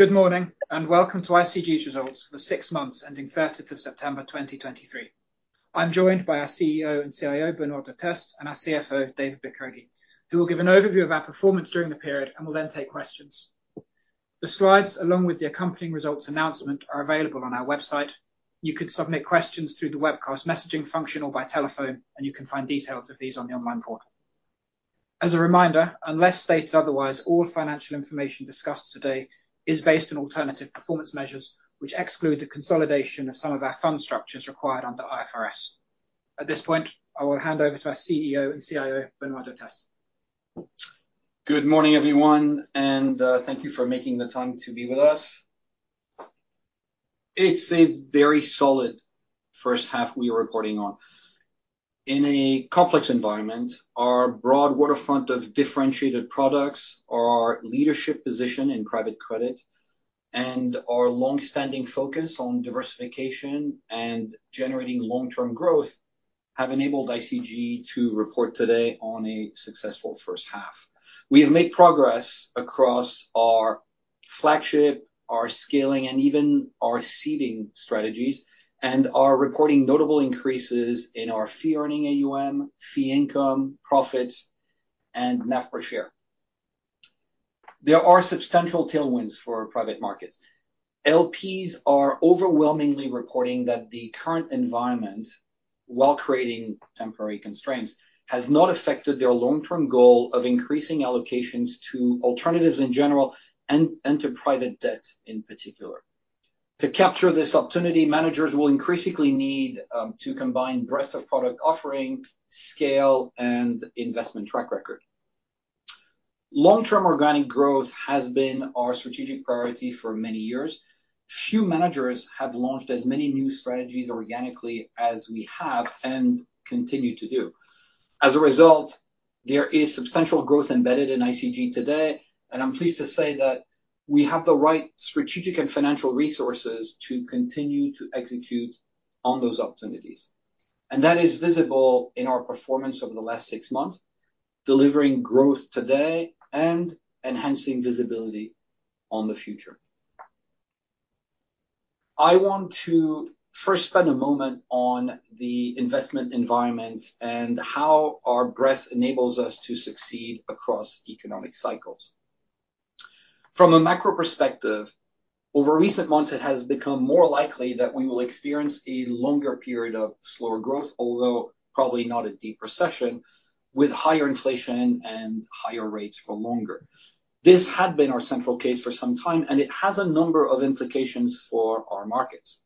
Good morning, and welcome to ICG's results for the six months ending thirtieth of September 2023. I'm joined by our CEO and CIO, Benoît Durteste, and our CFO, David Bicarregui, who will give an overview of our performance during the period and will then take questions. The slides, along with the accompanying results announcement, are available on our website. You can submit questions through the webcast messaging function or by telephone, and you can find details of these on the online portal. As a reminder, unless stated otherwise, all financial information discussed today is based on alternative performance measures, which exclude the consolidation of some of our fund structures required under IFRS. At this point, I will hand over to our CEO and CIO, Benoît Durteste. Good morning, everyone, and thank you for making the time to be with us. It's a very solid first half we are reporting on. In a complex environment, our broad waterfront of differentiated products, our leadership position in private credit, and our long-standing focus on diversification and generating long-term growth have enabled ICG to report today on a successful first half. We have made progress across our flagship, our scaling, and even our seeding strategies, and are reporting notable increases in our fee-earning AUM, fee income, profits, and NAV per share. There are substantial tailwinds for private markets. LPs are overwhelmingly reporting that the current environment, while creating temporary constraints, has not affected their long-term goal of increasing allocations to alternatives in general and to private debt in particular. To capture this opportunity, managers will increasingly need to combine breadth of product offering, scale, and investment track record. Long-term organic growth has been our strategic priority for many years. Few managers have launched as many new strategies organically as we have and continue to do. As a result, there is substantial growth embedded in ICG today, and I'm pleased to say that we have the right strategic and financial resources to continue to execute on those opportunities. And that is visible in our performance over the last six months, delivering growth today and enhancing visibility on the future. I want to first spend a moment on the investment environment and how our breadth enables us to succeed across economic cycles. From a macro perspective, over recent months, it has become more likely that we will experience a longer period of slower growth, although probably not a deep recession, with higher inflation and higher rates for longer. This had been our central case for some time, and it has a number of implications for our markets.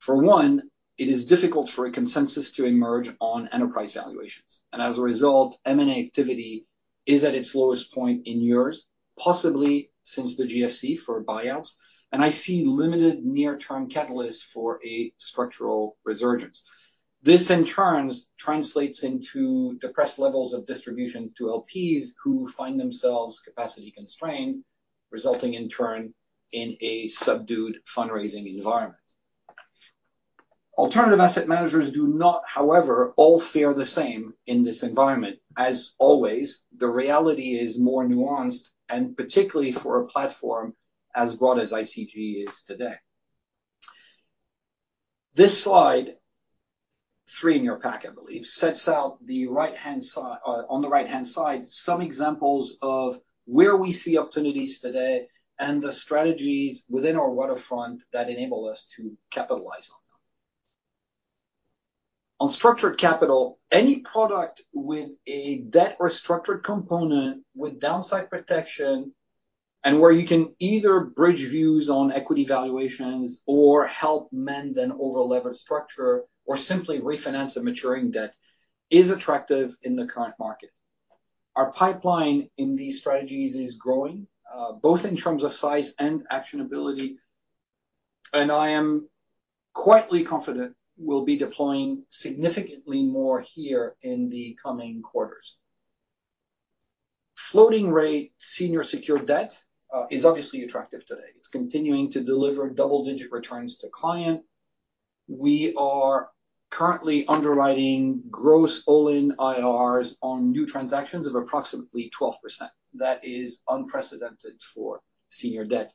For one, it is difficult for a consensus to emerge on enterprise valuations, and as a result, M&A activity is at its lowest point in years, possibly since the GFC for buyouts, and I see limited near-term catalysts for a structural resurgence. This, in turn, translates into depressed levels of distributions to LPs who find themselves capacity-constrained, resulting in turn in a subdued fundraising environment. Alternative asset managers do not, however, all fare the same in this environment. As always, the reality is more nuanced, and particularly for a platform as broad as ICG is today. This slide, 3 in your pack, I believe, sets out the right-hand side, on the right-hand side, some examples of where we see opportunities today and the strategies within our waterfront that enable us to capitalize on them. On structured capital, any product with a debt or structured component with downside protection, and where you can either bridge views on equity valuations or help mend an overleveraged structure or simply refinance a maturing debt, is attractive in the current market. Our pipeline in these strategies is growing, both in terms of size and actionability, and I am quietly confident we'll be deploying significantly more here in the coming quarters. Floating-rate senior secured debt is obviously attractive today. It's continuing to deliver double-digit returns to client. We are currently underwriting gross all-in IRRs on new transactions of approximately 12%. That is unprecedented for senior debt.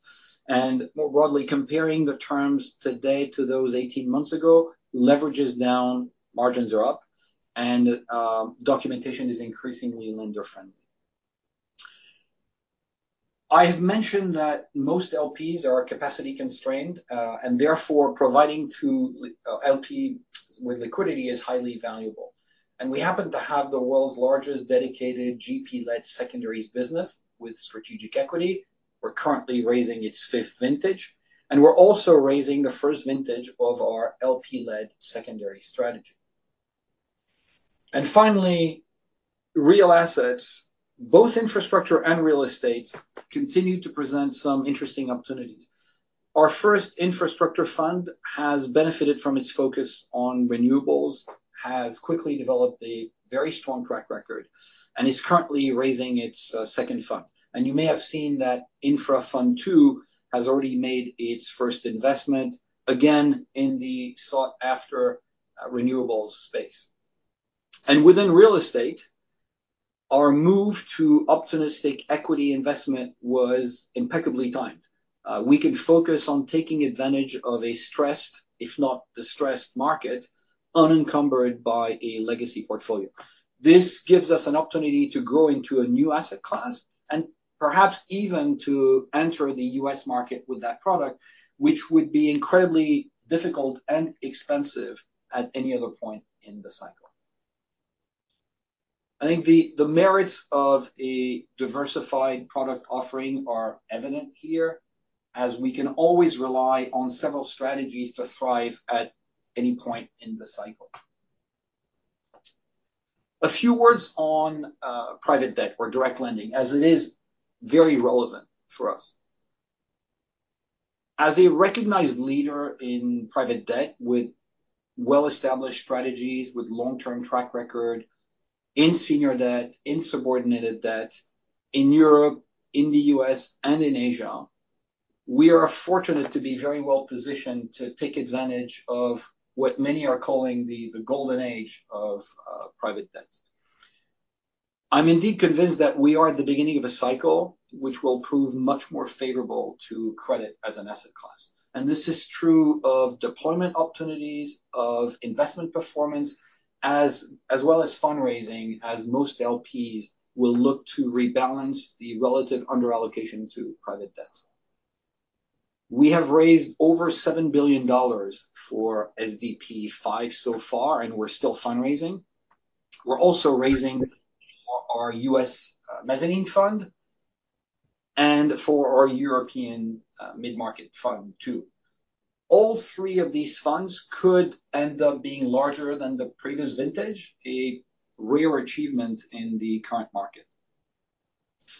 More broadly, comparing the terms today to those 18 months ago, leverage is down, margins are up, and documentation is increasingly lender-friendly. I have mentioned that most LPs are capacity-constrained, and therefore providing LP with liquidity is highly valuable. We happen to have the world's largest dedicated GP-led secondaries business with Strategic Equity. We're currently raising its fifth vintage, and we're also raising the first vintage of our LP-led secondary strategy. Finally, real assets, both infrastructure and real estate, continue to present some interesting opportunities. Our first infrastructure fund has benefited from its focus on renewables, has quickly developed a very strong track record, and is currently raising its second fund. You may have seen that Infra Fund II has already made its first investment, again, in the sought-after renewables space. Within real estate, our move to opportunistic equity investment was impeccably timed. We can focus on taking advantage of a stressed, if not distressed market, unencumbered by a legacy portfolio. This gives us an opportunity to go into a new asset class and perhaps even to enter the U.S. market with that product, which would be incredibly difficult and expensive at any other point in the cycle. I think the merits of a diversified product offering are evident here, as we can always rely on several strategies to thrive at any point in the cycle. A few words on private debt or direct lending, as it is very relevant for us. As a recognized leader in private debt with well-established strategies, with long-term track record in senior debt, in subordinated debt in Europe, in the U.S., and in Asia, we are fortunate to be very well-positioned to take advantage of what many are calling the golden age of private debt. I'm indeed convinced that we are at the beginning of a cycle which will prove much more favorable to credit as an asset class, and this is true of deployment opportunities, of investment performance, as well as fundraising, as most LPs will look to rebalance the relative under allocation to private debt. We have raised over $7 billion for SDP V so far, and we're still fundraising. We're also raising for our U.S. Mezzanine fund and for our European Mid-Market fund, too. All three of these funds could end up being larger than the previous vintage, a rare achievement in the current market.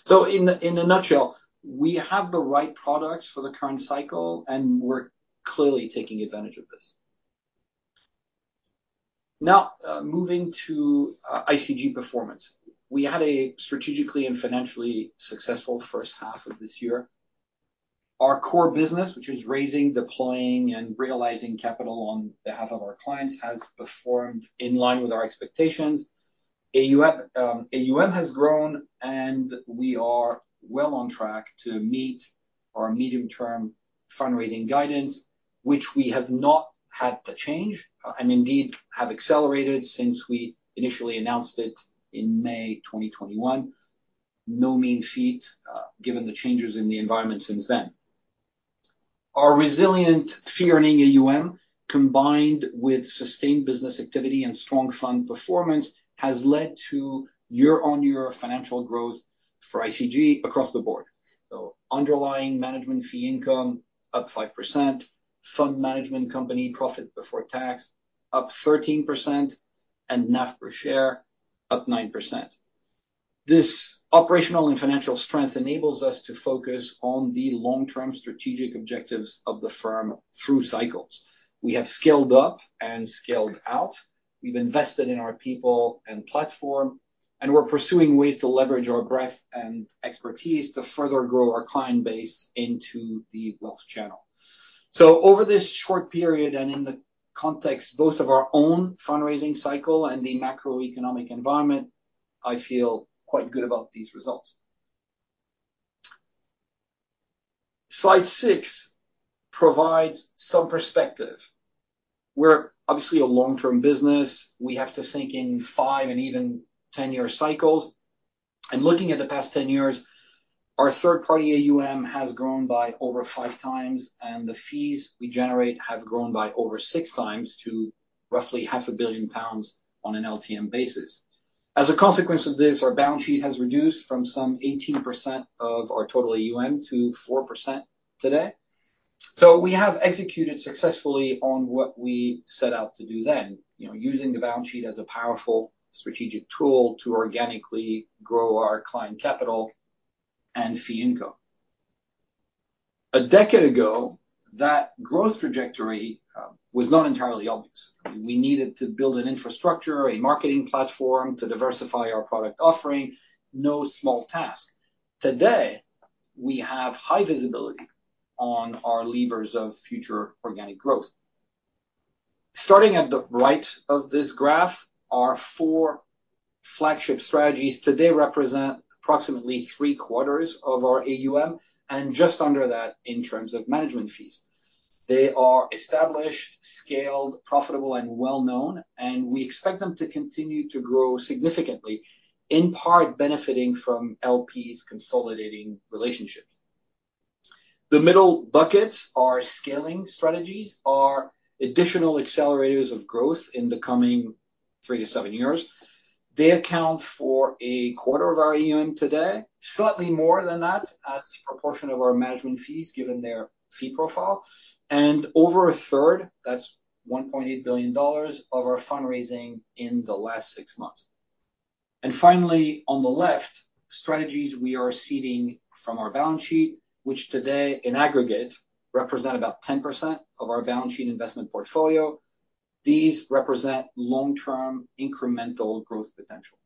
So in a nutshell, we have the right products for the current cycle, and we're clearly taking advantage of this. Now, moving to ICG performance. We had a strategically and financially successful first half of this year. Our core business, which is raising, deploying, and realizing capital on behalf of our clients, has performed in line with our expectations. AUM has grown, and we are well on track to meet our medium-term fundraising guidance, which we have not had to change, and indeed have accelerated since we initially announced it in May 2021. No mean feat, given the changes in the environment since then. Our resilient fee-earning AUM, combined with sustained business activity and strong fund performance, has led to year-on-year financial growth for ICG across the board. So underlying management fee income up 5%, fund management company profit before tax up 13%, and NAV per share up 9%. This operational and financial strength enables us to focus on the long-term strategic objectives of the firm through cycles. We have scaled up and scaled out. We've invested in our people and platform, and we're pursuing ways to leverage our breadth and expertise to further grow our client base into the wealth channel. So over this short period, and in the context both of our own fundraising cycle and the macroeconomic environment, I feel quite good about these results. Slide six provides some perspective. We're obviously a long-term business. We have to think in five and even ten-year cycles. Looking at the past 10 years, our third-party AUM has grown by over 5 times, and the fees we generate have grown by over 6 times to roughly 500 million pounds on an LTM basis. As a consequence of this, our balance sheet has reduced from some 18% of our total AUM to 4% today. So we have executed successfully on what we set out to do then, you know, using the balance sheet as a powerful strategic tool to organically grow our client capital and fee income. A decade ago, that growth trajectory was not entirely obvious. We needed to build an infrastructure, a marketing platform to diversify our product offering. No small task. Today, we have high visibility on our levers of future organic growth. Starting at the right of this graph, our four flagship strategies today represent approximately three-quarters of our AUM, and just under that in terms of management fees. They are established, scaled, profitable, and well-known, and we expect them to continue to grow significantly, in part benefiting from LPs consolidating relationships. The middle buckets, our scaling strategies, are additional accelerators of growth in the coming 3-7 years. They account for a quarter of our AUM today, slightly more than that as a proportion of our management fees, given their fee profile. Over a third, that's $1.8 billion, of our fundraising in the last six months. Finally, on the left, strategies we are seeding from our balance sheet, which today, in aggregate, represent about 10% of our balance sheet investment portfolio. These represent long-term incremental growth potential.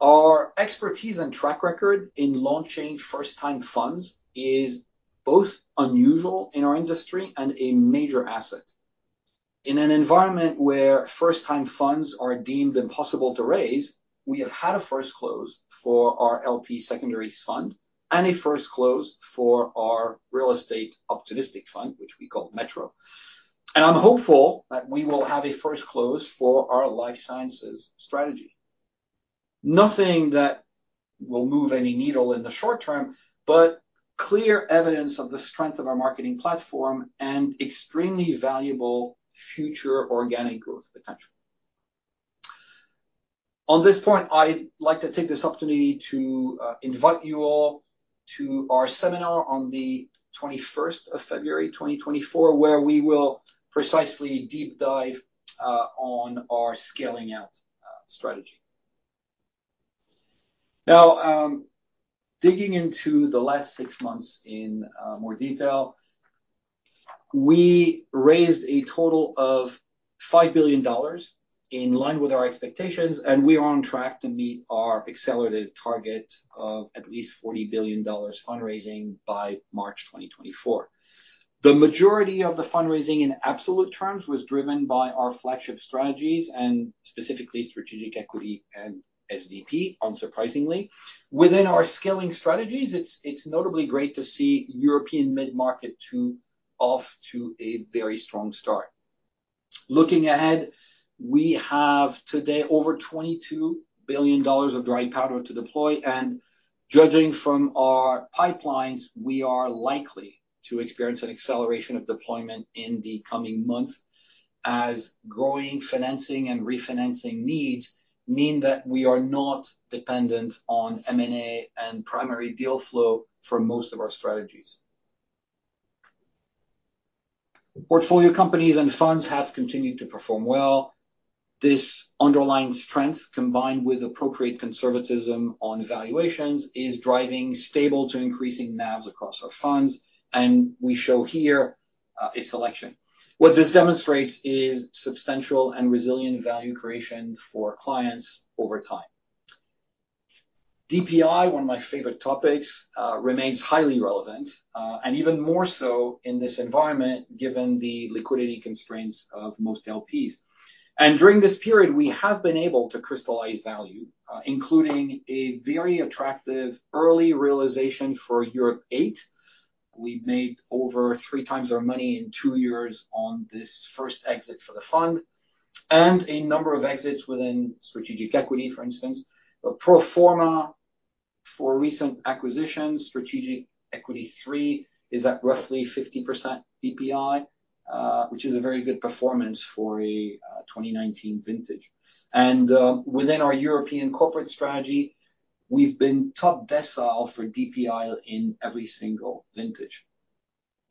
Our expertise and track record in launching first-time funds is both unusual in our industry and a major asset. In an environment where first-time funds are deemed impossible to raise, we have had a first close for our LP Secondaries fund and a first close for our real estate opportunistic fund, which we call Metro. And I'm hopeful that we will have a first close for our Life Sciences strategy. Nothing that will move any needle in the short term, but clear evidence of the strength of our marketing platform and extremely valuable future organic growth potential. On this point, I'd like to take this opportunity to invite you all to our seminar on the 21st of February, 2024, where we will precisely deep dive on our scaling out strategy. Now, digging into the last six months in more detail, we raised a total of $5 billion in line with our expectations, and we are on track to meet our accelerated target of at least $40 billion fundraising by March 2024. The majority of the fundraising, in absolute terms, was driven by our flagship strategies and specifically Strategic Equity and SDP, unsurprisingly. Within our scaling strategies, it's notably great to see European Mid-Market off to a very strong start. Looking ahead, we have today over $22 billion of dry powder to deploy, and judging from our pipelines, we are likely to experience an acceleration of deployment in the coming months as growing financing and refinancing needs mean that we are not dependent on M&A and primary deal flow for most of our strategies. Portfolio companies and funds have continued to perform well. This underlying strength, combined with appropriate conservatism on valuations, is driving stable to increasing NAVs across our funds, and we show here, a selection. What this demonstrates is substantial and resilient value creation for clients over time. DPI, one of my favorite topics, remains highly relevant, and even more so in this environment, given the liquidity constraints of most LPs. And during this period, we have been able to crystallize value, including a very attractive early realization for Europe VIII. We made over 3x our money in two years on this first exit for the fund, and a number of exits within Strategic Equity, for instance. But pro forma for recent acquisitions, Strategic Equity III is at roughly 50% DPI, which is a very good performance for a, 2019 vintage. Within our European Corporate strategy, we've been top decile for DPI in every single vintage.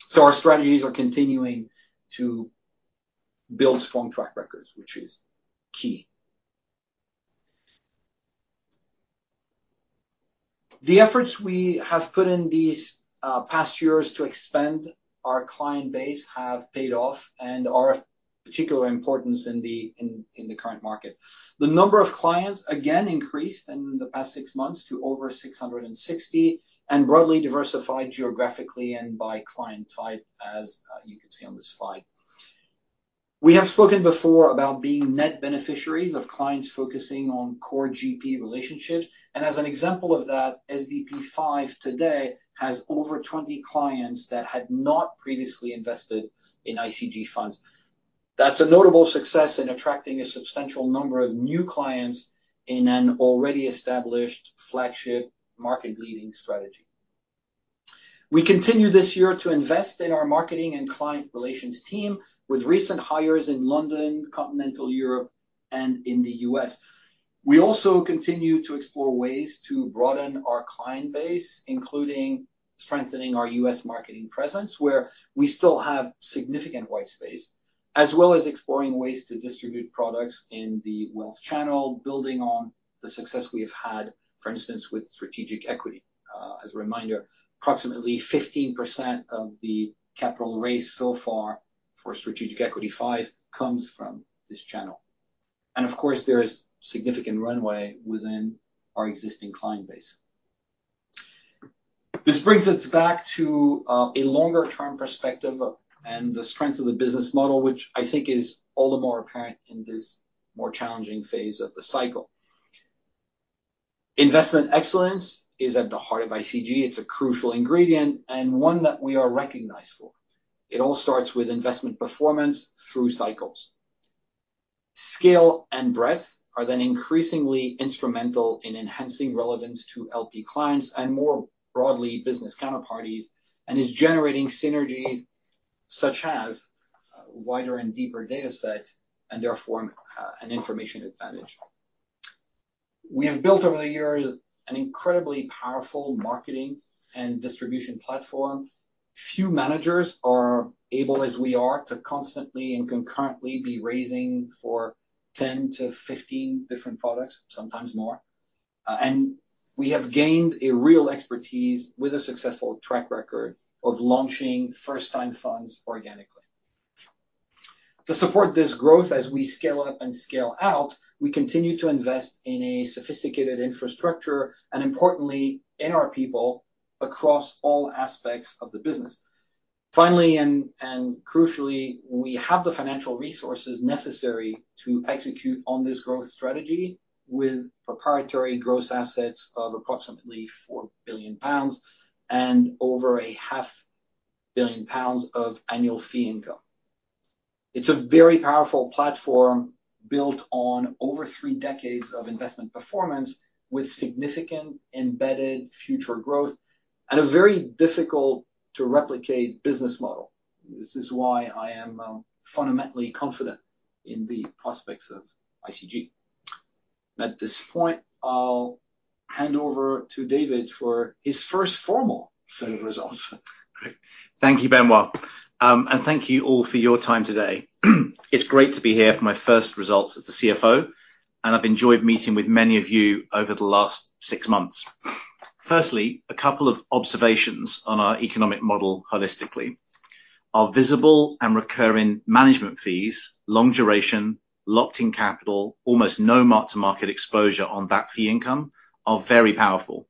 So our strategies are continuing to build strong track records, which is key. The efforts we have put in these past years to expand our client base have paid off and are of particular importance in the current market. The number of clients again increased in the past six months to over 660, and broadly diversified geographically and by client type, as you can see on this slide. We have spoken before about being net beneficiaries of clients focusing on core GP relationships, and as an example of that, SDP V today has over 20 clients that had not previously invested in ICG funds. That's a notable success in attracting a substantial number of new clients in an already established flagship market-leading strategy. We continue this year to invest in our marketing and client relations team, with recent hires in London, continental Europe, and in the U.S. We also continue to explore ways to broaden our client base, including strengthening our U.S. marketing presence, where we still have significant white space, as well as exploring ways to distribute products in the wealth channel, building on the success we have had, for instance, with Strategic Equity. As a reminder, approximately 15% of the capital raised so far for Strategic Equity V comes from this channel. And of course, there is significant runway within our existing client base. This brings us back to a longer-term perspective and the strength of the business model, which I think is all the more apparent in this more challenging phase of the cycle. Investment excellence is at the heart of ICG. It's a crucial ingredient and one that we are recognized for. It all starts with investment performance through cycles. Scale and breadth are then increasingly instrumental in enhancing relevance to LP clients and, more broadly, business counterparties, and is generating synergies such as wider and deeper data set, and therefore, an information advantage. We have built over the years an incredibly powerful marketing and distribution platform. Few managers are able, as we are, to constantly and concurrently be raising for 10-15 different products, sometimes more. And we have gained a real expertise with a successful track record of launching first-time funds organically. To support this growth, as we scale up and scale out, we continue to invest in a sophisticated infrastructure, and importantly, in our people across all aspects of the business. Finally, crucially, we have the financial resources necessary to execute on this growth strategy with proprietary gross assets of approximately 4 billion pounds and over 500 million pounds of annual fee income. It's a very powerful platform built on over three decades of investment performance, with significant embedded future growth and a very difficult-to-replicate business model. This is why I am fundamentally confident in the prospects of ICG. At this point, I'll hand over to David for his first formal set of results. Thank you, Benoît. Thank you all for your time today. It's great to be here for my first results as the CFO, and I've enjoyed meeting with many of you over the last six months. Firstly, a couple of observations on our economic model holistically. Our visible and recurring management fees, long duration, locked-in capital, almost no mark-to-market exposure on that fee income are very powerful.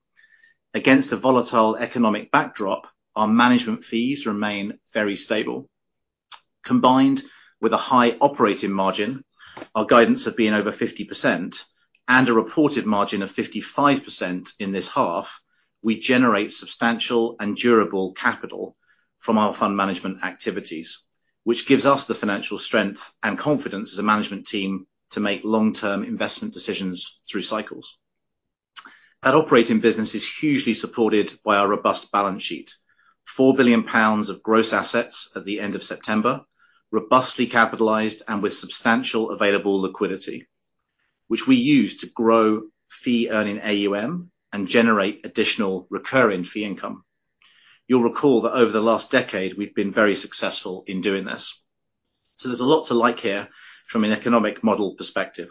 Against a volatile economic backdrop, our management fees remain very stable. Combined with a high operating margin, our guidance of being over 50% and a reported margin of 55% in this half, we generate substantial and durable capital from our fund management activities, which gives us the financial strength and confidence as a management team to make long-term investment decisions through cycles. That operating business is hugely supported by our robust balance sheet. 4 billion pounds of gross assets at the end of September, robustly capitalized and with substantial available liquidity, which we use to grow fee-earning AUM and generate additional recurring fee income. You'll recall that over the last decade, we've been very successful in doing this, so there's a lot to like here from an economic model perspective.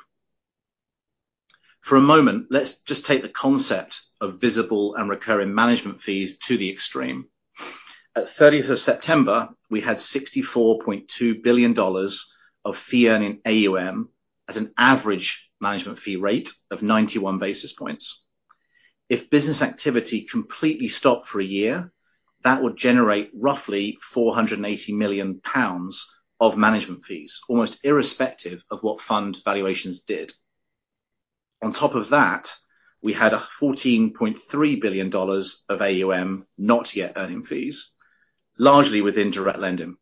For a moment, let's just take the concept of visible and recurring management fees to the extreme. At 30th of September, we had $64.2 billion of fee-earning AUM as an average management fee rate of 91 basis points. If business activity completely stopped for a year, that would generate roughly 480 million pounds of management fees, almost irrespective of what fund valuations did. On top of that, we had a $14.3 billion of AUM, not yet earning fees, largely within direct lending.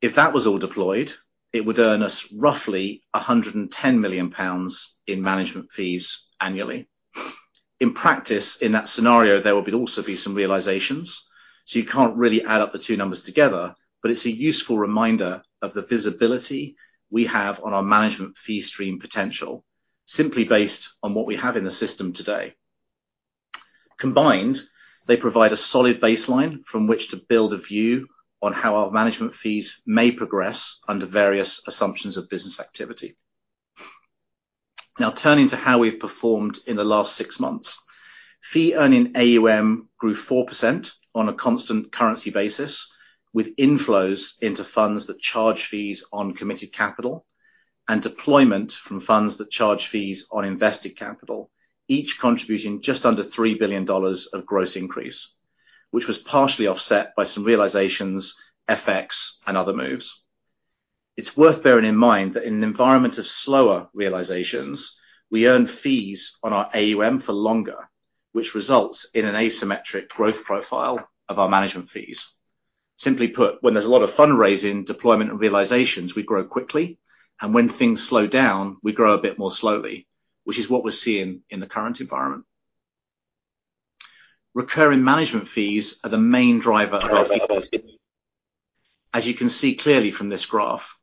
If that was all deployed, it would earn us roughly 110 million pounds in management fees annually. In practice, in that scenario, there will also be some realizations, so you can't really add up the two numbers together, but it's a useful reminder of the visibility we have on our management fee stream potential, simply based on what we have in the system today. Combined, they provide a solid baseline from which to build a view on how our management fees may progress under various assumptions of business activity. Now, turning to how we've performed in the last six months. Fee-Earning AUM grew 4% on a constant currency basis, with inflows into funds that charge fees on committed capital and deployment from funds that charge fees on invested capital, each contributing just under $3 billion of gross increase, which was partially offset by some realizations, FX, and other moves. It's worth bearing in mind that in an environment of slower realizations, we earn fees on our AUM for longer, which results in an asymmetric growth profile of our management fees. Simply put, when there's a lot of fundraising, deployment, and realizations, we grow quickly, and when things slow down, we grow a bit more slowly, which is what we're seeing in the current environment. Recurring management fees are the main driver of our. As you can see clearly from this graph,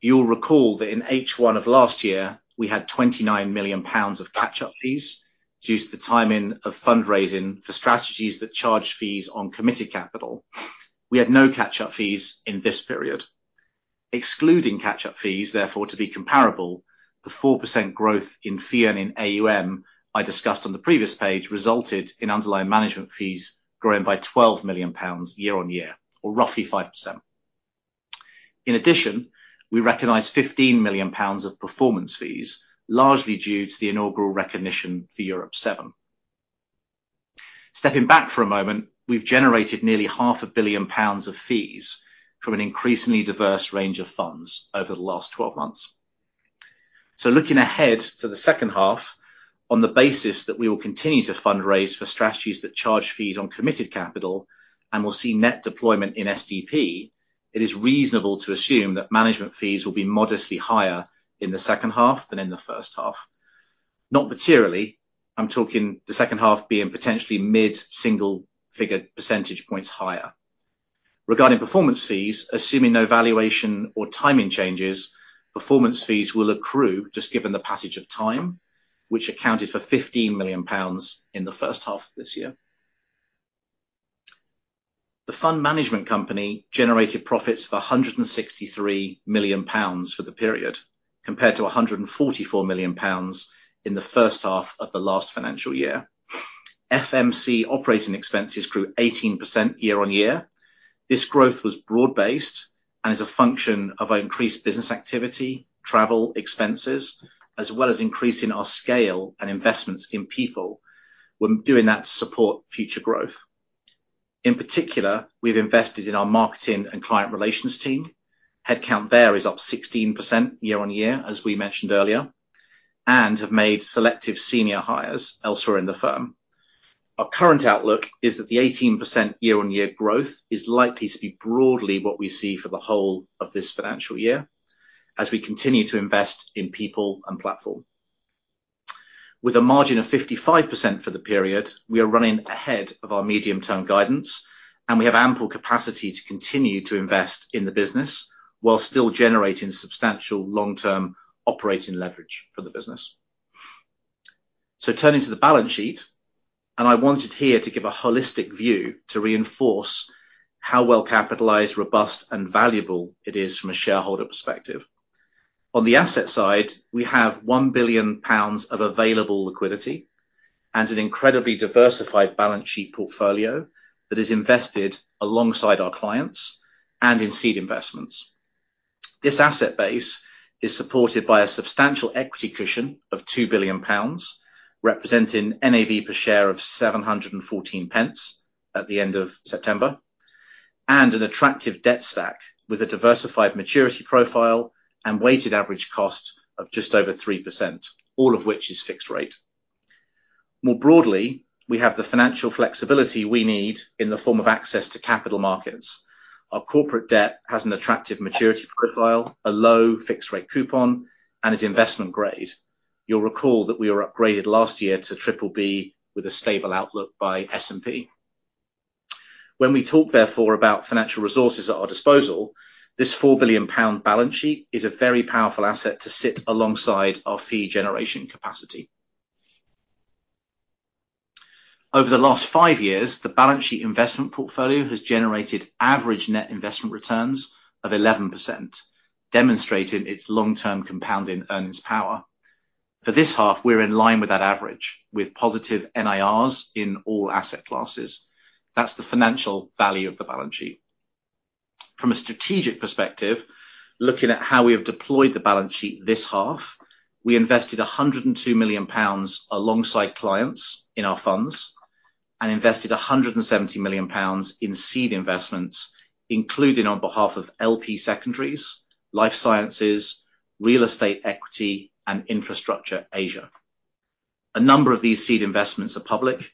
you'll recall that in H1 of last year, we had 29 million pounds of catch-up fees due to the timing of fundraising for strategies that charge fees on committed capital. We had no catch-up fees in this period. Excluding catch-up fees, therefore, to be comparable, the 4% growth in fee-earning AUM I discussed on the previous page resulted in underlying management fees growing by 12 million pounds year-on-year, or roughly 5%. In addition, we recognized 15 million pounds of performance fees, largely due to the inaugural recognition for Europe VII. Stepping back for a moment, we've generated nearly 500 million pounds of fees from an increasingly diverse range of funds over the last twelve months. So looking ahead to the second half, on the basis that we will continue to fundraise for strategies that charge fees on committed capital and will see net deployment in SDP, it is reasonable to assume that management fees will be modestly higher in the second half than in the first half. Not materially. I'm talking the second half being potentially mid-single figure percentage points higher. Regarding performance fees, assuming no valuation or timing changes, performance fees will accrue just given the passage of time, which accounted for 15 million pounds in the first half of this year. The fund management company generated profits of 163 million pounds for the period, compared to 144 million pounds in the first half of the last financial year. FMC operating expenses grew 18% year-on-year. This growth was broad-based and is a function of our increased business activity, travel expenses, as well as increasing our scale and investments in people. We're doing that to support future growth. In particular, we've invested in our marketing and client relations team. Headcount there is up 16% year-on-year, as we mentioned earlier, and have made selective senior hires elsewhere in the firm. Our current outlook is that the 18% year-on-year growth is likely to be broadly what we see for the whole of this financial year, as we continue to invest in people and platform. With a margin of 55% for the period, we are running ahead of our medium-term guidance, and we have ample capacity to continue to invest in the business, while still generating substantial long-term operating leverage for the business. Turning to the balance sheet, I wanted here to give a holistic view to reinforce how well-capitalized, robust, and valuable it is from a shareholder perspective. On the asset side, we have 1 billion pounds of available liquidity and an incredibly diversified balance sheet portfolio that is invested alongside our clients and in seed investments. This asset base is supported by a substantial equity cushion of 2 billion pounds, representing NAV per share of 714 pence at the end of September, and an attractive debt stack with a diversified maturity profile and weighted average cost of just over 3%, all of which is fixed rate. More broadly, we have the financial flexibility we need in the form of access to capital markets. Our corporate debt has an attractive maturity profile, a low fixed-rate coupon, and is investment grade. You'll recall that we were upgraded last year to BBB with a stable outlook by S&P. When we talk, therefore, about financial resources at our disposal, this 4 billion pound balance sheet is a very powerful asset to sit alongside our fee generation capacity. Over the last five years, the balance sheet investment portfolio has generated average net investment returns of 11%, demonstrating its long-term compounding earnings power. For this half, we're in line with that average, with positive NIRs in all asset classes. That's the financial value of the balance sheet. From a strategic perspective, looking at how we have deployed the balance sheet this half, we invested 102 million pounds alongside clients in our funds, and invested 170 million pounds in seed investments, including on behalf of LP Secondaries, Life Sciences, Real Estate Equity, and Infrastructure Asia. A number of these seed investments are public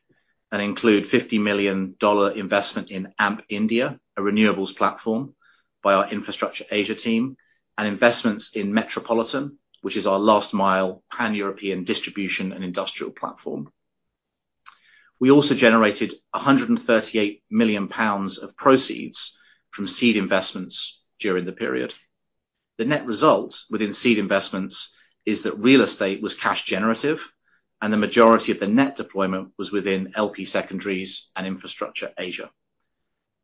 and include $50 million investment in Amp India, a renewables platform, by our Infrastructure Asia team, and investments in Metropolitan, which is our last-mile Pan-European distribution and industrial platform. We also generated 138 million pounds of proceeds from seed investments during the period. The net result within seed investments is that real estate was cash generative, and the majority of the net deployment was within LP Secondaries and Infrastructure Asia.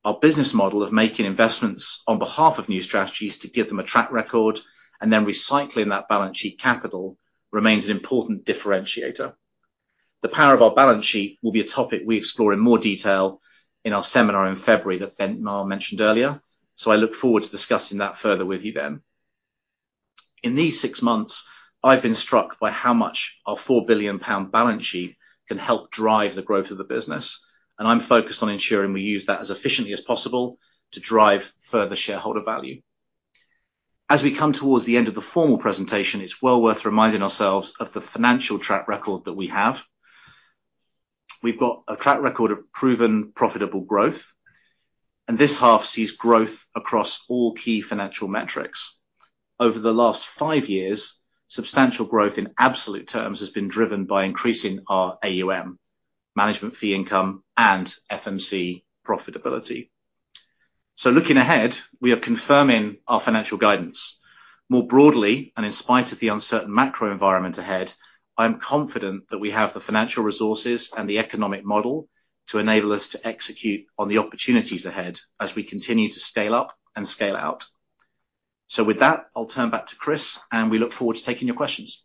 Our business model of making investments on behalf of new strategies to give them a track record and then recycling that balance sheet capital remains an important differentiator. The power of our balance sheet will be a topic we explore in more detail in our seminar in February, that Benoît mentioned earlier, so I look forward to discussing that further with you then. In these six months, I've been struck by how much our 4 billion pound balance sheet can help drive the growth of the business, and I'm focused on ensuring we use that as efficiently as possible to drive further shareholder value. As we come towards the end of the formal presentation, it's well worth reminding ourselves of the financial track record that we have. We've got a track record of proven, profitable growth, and this half sees growth across all key financial metrics. Over the last five years, substantial growth in absolute terms has been driven by increasing our AUM, management fee income, and FMC profitability. Looking ahead, we are confirming our financial guidance. More broadly, and in spite of the uncertain macro environment ahead, I am confident that we have the financial resources and the economic model to enable us to execute on the opportunities ahead as we continue to scale up and scale out. So with that, I'll turn back to Chris, and we look forward to taking your questions.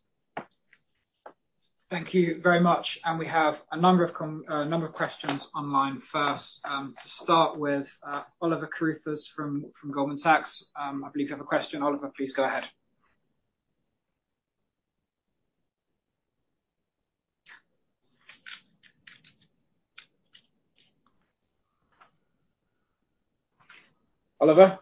Thank you very much, and we have a number of questions online. First, to start with, Oliver Carruthers from Goldman Sachs, I believe you have a question, Oliver, please go ahead. Oliver?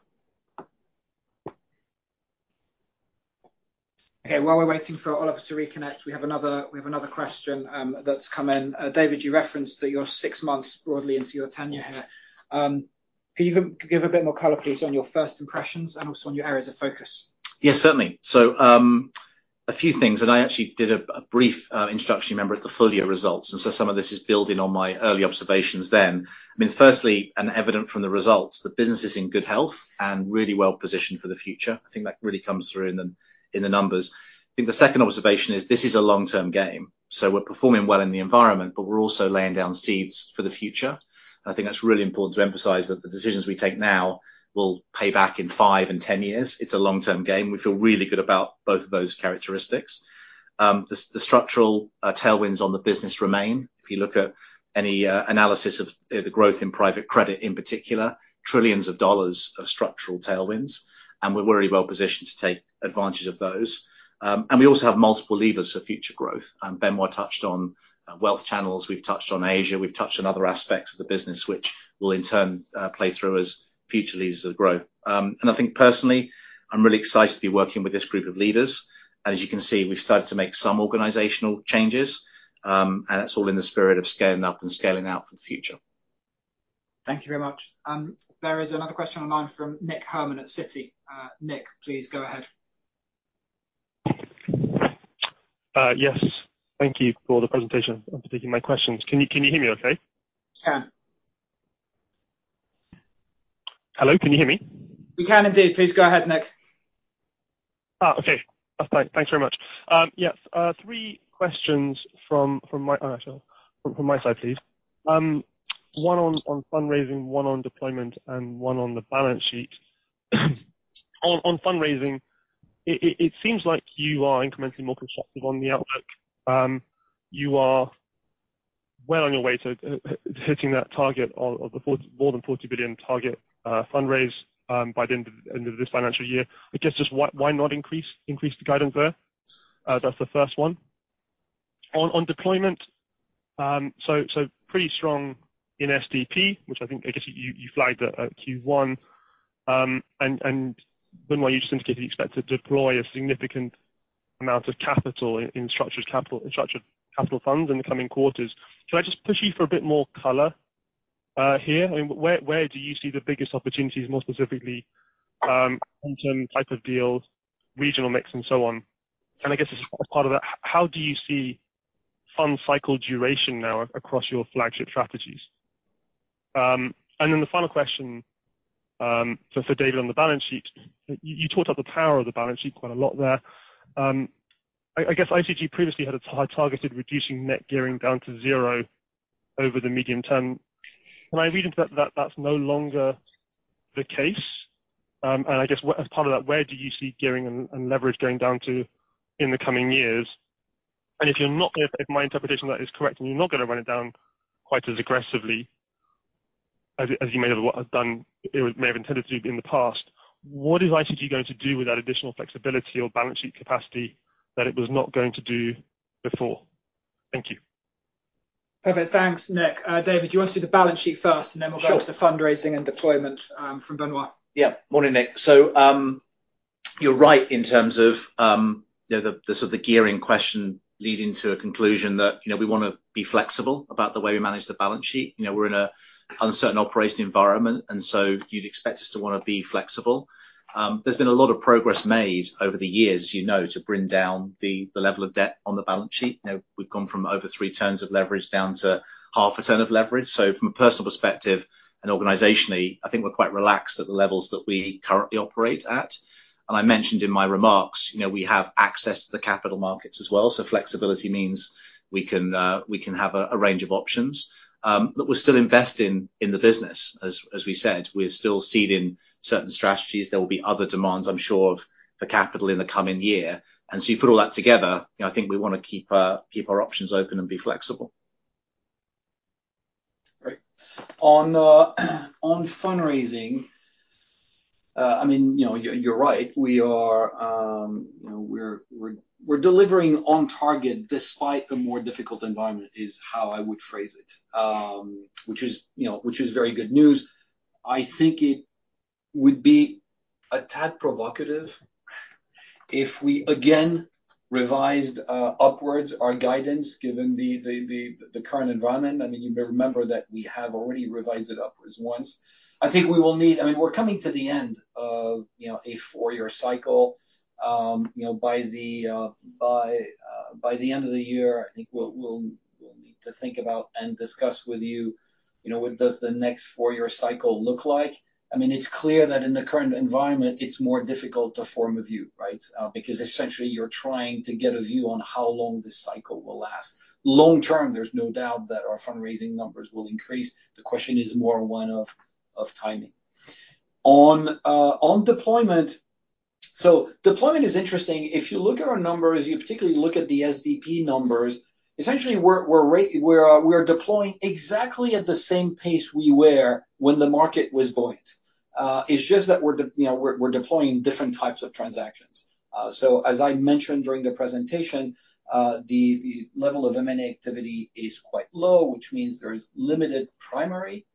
Okay, while we're waiting for Oliver to reconnect, we have another question that's come in. David, you referenced that you're six months broadly into your tenure here. Can you give a bit more color, please, on your first impressions and also on your areas of focus? Yes, certainly. So, a few things, and I actually did a brief introduction, you remember, at the full-year results, and so some of this is building on my early observations then. I mean, firstly, and evident from the results, the business is in good health and really well positioned for the future. I think that really comes through in the numbers. I think the second observation is this is a long-term game, so we're performing well in the environment, but we're also laying down seeds for the future. I think that's really important to emphasize that the decisions we take now will pay back in five and ten years. It's a long-term game. We feel really good about both of those characteristics. The structural tailwinds on the business remain. If you look at any analysis of the growth in private credit, in particular, $ trillions of structural tailwinds, and we're very well positioned to take advantage of those. And we also have multiple levers for future growth, and Benoît touched on wealth channels, we've touched on Asia, we've touched on other aspects of the business, which will, in turn, play through as future levers of growth. And I think personally, I'm really excited to be working with this group of leaders, and as you can see, we've started to make some organizational changes, and it's all in the spirit of scaling up and scaling out for the future. Thank you very much. There is another question online from Nick Herman at Citi. Nick, please go ahead. Yes. Thank you for the presentation and for taking my questions. Can you, can you hear me okay? Can. Hello, can you hear me? We can indeed. Please go ahead, Nick. Ah, okay. That's fine. Thanks very much. Yes, three questions from my side, please. One on fundraising, one on deployment, and one on the balance sheet. On fundraising, it seems like you are incrementally more constructive on the outlook. You are well on your way to hitting that target of more than 40 billion fundraise by the end of this financial year. I guess, just why not increase the guidance there? That's the first one. On deployment, so pretty strong in SDP, which I think... I guess you flagged at Q1. And Benoît, you just indicated you expect to deploy a significant amount of capital in structured capital funds in the coming quarters. Can I just push you for a bit more color, here? I mean, where, where do you see the biggest opportunities, more specifically, in terms of type of deals, regional mix, and so on? And I guess as part of that, how do you see fund cycle duration now across your flagship strategies? And then the final question, so for David on the balance sheet, you, you talked up the power of the balance sheet quite a lot there. I guess ICG previously had a targeted reducing net gearing down to zero over the medium term. Am I reading into that, that that's no longer the case? And I guess, as part of that, where do you see gearing and leverage going down to in the coming years? And if you're not gonna... If my interpretation of that is correct, and you're not gonna run it down quite as aggressively as you may have done, or may have intended to in the past, what is ICG going to do with that additional flexibility or balance sheet capacity that it was not going to do before? Thank you. Perfect. Thanks, Nick. David, do you want to do the balance sheet first, and then we'll- Sure... go to the fundraising and deployment, from Benoît? Yeah. Morning, Nick. So, you're right in terms of, you know, the sort of gearing question leading to a conclusion that, you know, we wanna be flexible about the way we manage the balance sheet. You know, we're in an uncertain operating environment, and so you'd expect us to wanna be flexible. There's been a lot of progress made over the years, you know, to bring down the level of debt on the balance sheet. You know, we've gone from over three turns of leverage down to half a turn of leverage. So from a personal perspective and organizationally, I think we're quite relaxed at the levels that we currently operate at. And I mentioned in my remarks, you know, we have access to the capital markets as well, so flexibility means we can, we can have a range of options. But we're still investing in the business. As we said, we're still seeding certain strategies. There will be other demands, I'm sure, of the capital in the coming year. And so you put all that together, you know, I think we wanna keep our options open and be flexible. Great. On fundraising, I mean, you know, you're right. We are, you know, we're delivering on target despite the more difficult environment, is how I would phrase it. Which is, you know, which is very good news. I think it would be a tad provocative if we again revised upwards our guidance, given the current environment. I mean, you may remember that we have already revised it upwards once. I think we will need... I mean, we're coming to the end of, you know, a four-year cycle. You know, by the end of the year, I think we'll need to think about and discuss with you, you know, what does the next four-year cycle look like? I mean, it's clear that in the current environment, it's more difficult to form a view, right? Because essentially, you're trying to get a view on how long this cycle will last. Long term, there's no doubt that our fundraising numbers will increase. The question is more one of, of timing. On, on deployment... So deployment is interesting. If you look at our numbers, you particularly look at the SDP numbers, essentially, we're deploying exactly at the same pace we were when the market was buoyant. It's just that you know, we're deploying different types of transactions. So as I mentioned during the presentation, the level of M&A activity is quite low, which means there's limited primary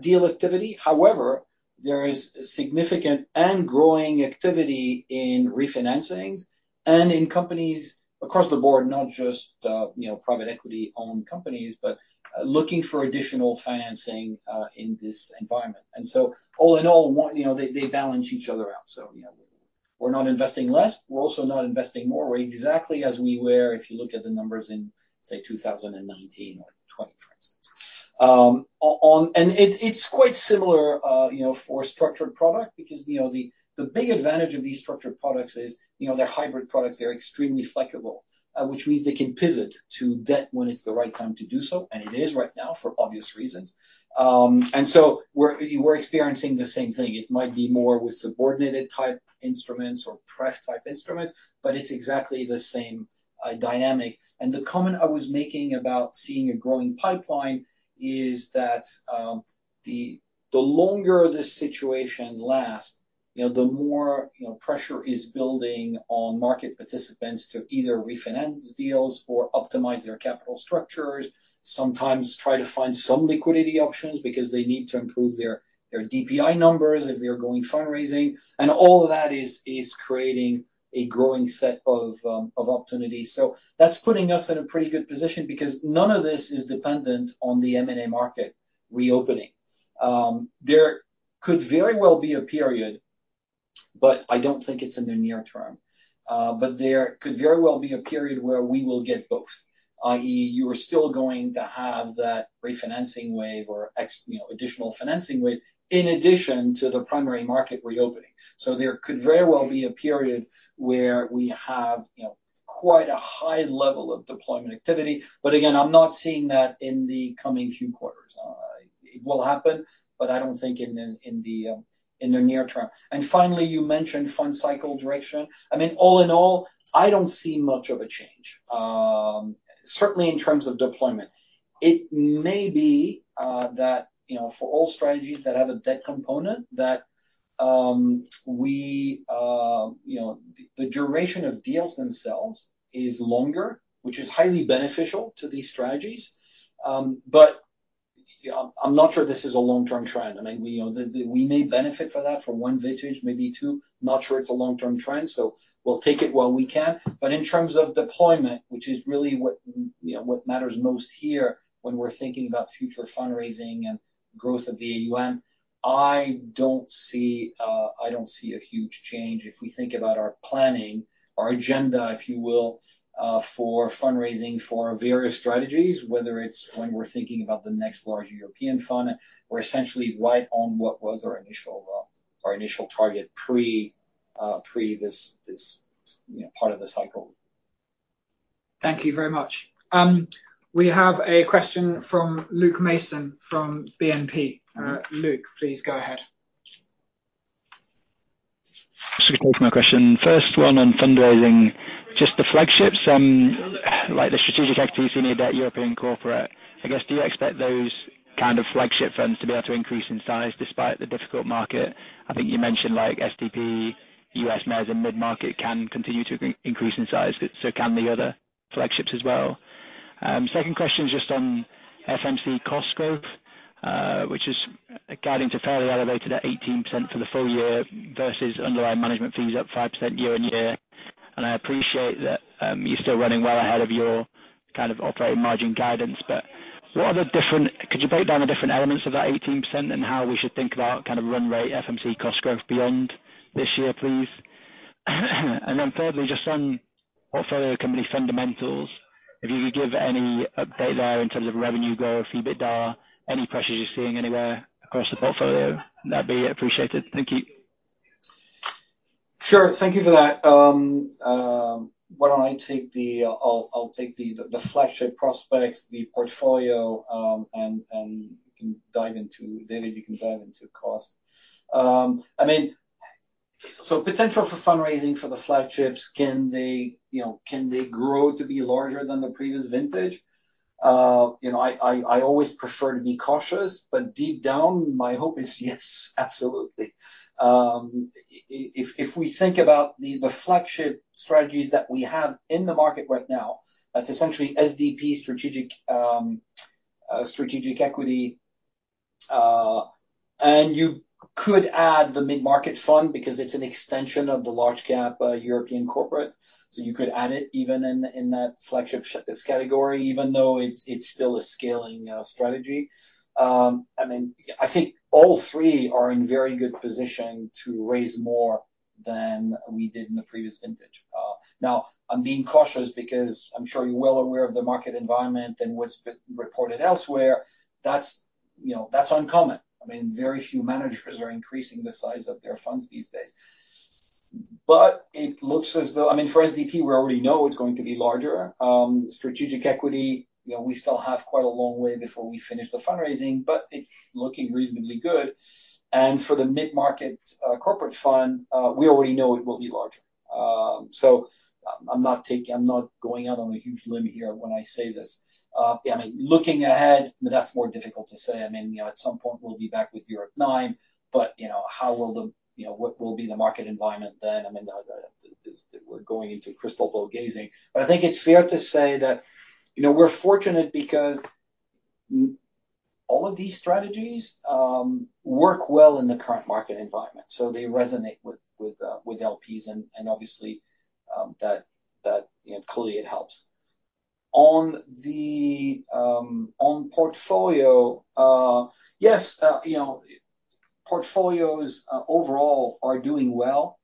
deal activity. However, there is significant and growing activity in refinancings and in companies across the board, not just, you know, private equity-owned companies, but, looking for additional financing, in this environment. And so all in all, one, you know, they, they balance each other out. So, you know, we're not investing less, we're also not investing more. We're exactly as we were, if you look at the numbers in, say, 2019 or 2020. On, and it, it's quite similar, you know, for structured product, because, you know, the, the big advantage of these structured products is, you know, they're hybrid products, they're extremely flexible, which means they can pivot to debt when it's the right time to do so, and it is right now, for obvious reasons. And so we're, we're experiencing the same thing. It might be more with subordinated type instruments or pref type instruments, but it's exactly the same dynamic. And the comment I was making about seeing a growing pipeline is that, the longer this situation lasts, you know, the more, you know, pressure is building on market participants to either refinance deals or optimize their capital structures, sometimes try to find some liquidity options because they need to improve their DPI numbers if they're going fundraising. And all of that is creating a growing set of opportunities. So that's putting us in a pretty good position because none of this is dependent on the M&A market reopening. There could very well be a period, but I don't think it's in the near term. But there could very well be a period where we will get both, i.e., you are still going to have that refinancing wave or, you know, additional financing wave, in addition to the primary market reopening. So there could very well be a period where we have, you know, quite a high level of deployment activity. But again, I'm not seeing that in the coming few quarters. It will happen, but I don't think in the near term. And finally, you mentioned fund cycle duration. I mean, all in all, I don't see much of a change, certainly in terms of deployment. It may be that, you know, for all strategies that have a debt component, that we, you know, the duration of deals themselves is longer, which is highly beneficial to these strategies. But, you know, I'm not sure this is a long-term trend. I mean, we know that we may benefit from that for one vintage, maybe two. Not sure it's a long-term trend, so we'll take it while we can. But in terms of deployment, which is really what, you know, what matters most here when we're thinking about future fundraising and growth of the AUM, I don't see, I don't see a huge change. If we think about our planning, our agenda, if you will, for fundraising for various strategies, whether it's when we're thinking about the next large European fund, we're essentially right on what was our initial, our initial target pre, pre this, this, you know, part of the cycle. Thank you very much. We have a question from Luke Mason from BNP. Luke, please go ahead. Thanks for my question. First one on fundraising, just the flagships, like the Strategic Equity, so you need that European Corporate. I guess, do you expect those kind of flagship funds to be able to increase in size despite the difficult market? I think you mentioned, like, SDP, U.S. Mezzanine and Mid-Market can continue to increase in size, so can the other flagships as well. Second question is just on FMC cost growth, which is guiding to fairly elevated at 18% for the full year versus underlying management fees up 5% year-on-year. I appreciate that, you're still running well ahead of your kind of operating margin guidance, but could you break down the different elements of that 18% and how we should think about kind of run rate FMC cost growth beyond this year, please? Then thirdly, just on portfolio company fundamentals, if you could give any update there in terms of revenue growth, EBITDA, any pressures you're seeing anywhere across the portfolio, that'd be appreciated. Thank you. Sure. Thank you for that. Why don't I take the, I'll take the flagship prospects, the portfolio, and you can dive into... David, you can dive into cost. I mean, so potential for fundraising for the flagships, can they, you know, can they grow to be larger than the previous vintage? You know, I always prefer to be cautious, but deep down, my hope is yes, absolutely. If we think about the flagship strategies that we have in the market right now, that's essentially SDP strategic, Strategic Equity, and you could add the mid-market fund because it's an extension of the large cap, European corporate. So you could add it even in that flagship this category, even though it's still a scaling strategy. I mean, I think all three are in very good position to raise more than we did in the previous vintage. Now, I'm being cautious because I'm sure you're well aware of the market environment and what's been reported elsewhere. That's, you know, that's uncommon. I mean, very few managers are increasing the size of their funds these days. But it looks as though... I mean, for SDP, we already know it's going to be larger. Strategic Equity, you know, we still have quite a long way before we finish the fundraising, but it's looking reasonably good. And for the mid-market, corporate fund, we already know it will be larger. So I'm not taking-- I'm not going out on a huge limb here when I say this. I mean, looking ahead, that's more difficult to say. I mean, you know, at some point, we'll be back with Europe IX, but, you know, how will the, you know, what will be the market environment then? I mean, we're going into crystal ball gazing. But I think it's fair to say that, you know, we're fortunate because all of these strategies work well in the current market environment, so they resonate with LPs, and obviously that clearly helps. On the portfolio, yes, you know, portfolios overall are doing well....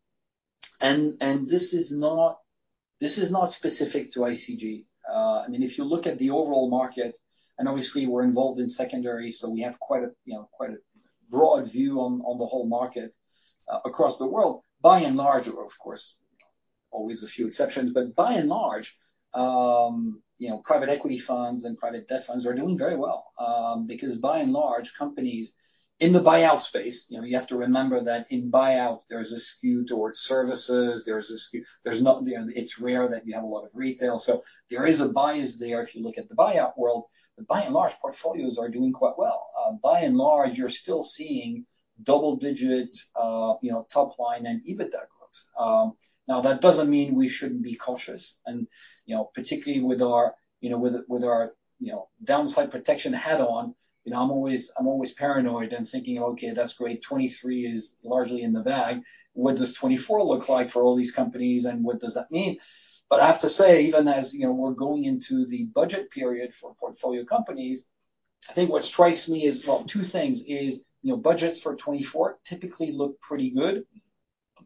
And this is not specific to ICG. I mean, if you look at the overall market, and obviously we're involved in secondary, so we have quite a broad view on the whole market across the world. By and large, of course, always a few exceptions, but by and large, you know, private equity funds and private debt funds are doing very well. Because by and large, companies in the buyout space, you know, you have to remember that in buyout, there's a skew towards services, there's a skew—there's not, you know, it's rare that you have a lot of retail, so there is a bias there if you look at the buyout world. But by and large, portfolios are doing quite well. By and large, you're still seeing double-digit, you know, top line and EBITDA growth. Now, that doesn't mean we shouldn't be cautious, and, you know, particularly with our, you know, with, with our, you know, downside protection hat on, you know, I'm always, I'm always paranoid and thinking, "Okay, that's great. 2023 is largely in the bag. What does 2024 look like for all these companies, and what does that mean?" But I have to say, even as, you know, we're going into the budget period for portfolio companies, I think what strikes me is... Well, two things, is, you know, budgets for 2024 typically look pretty good.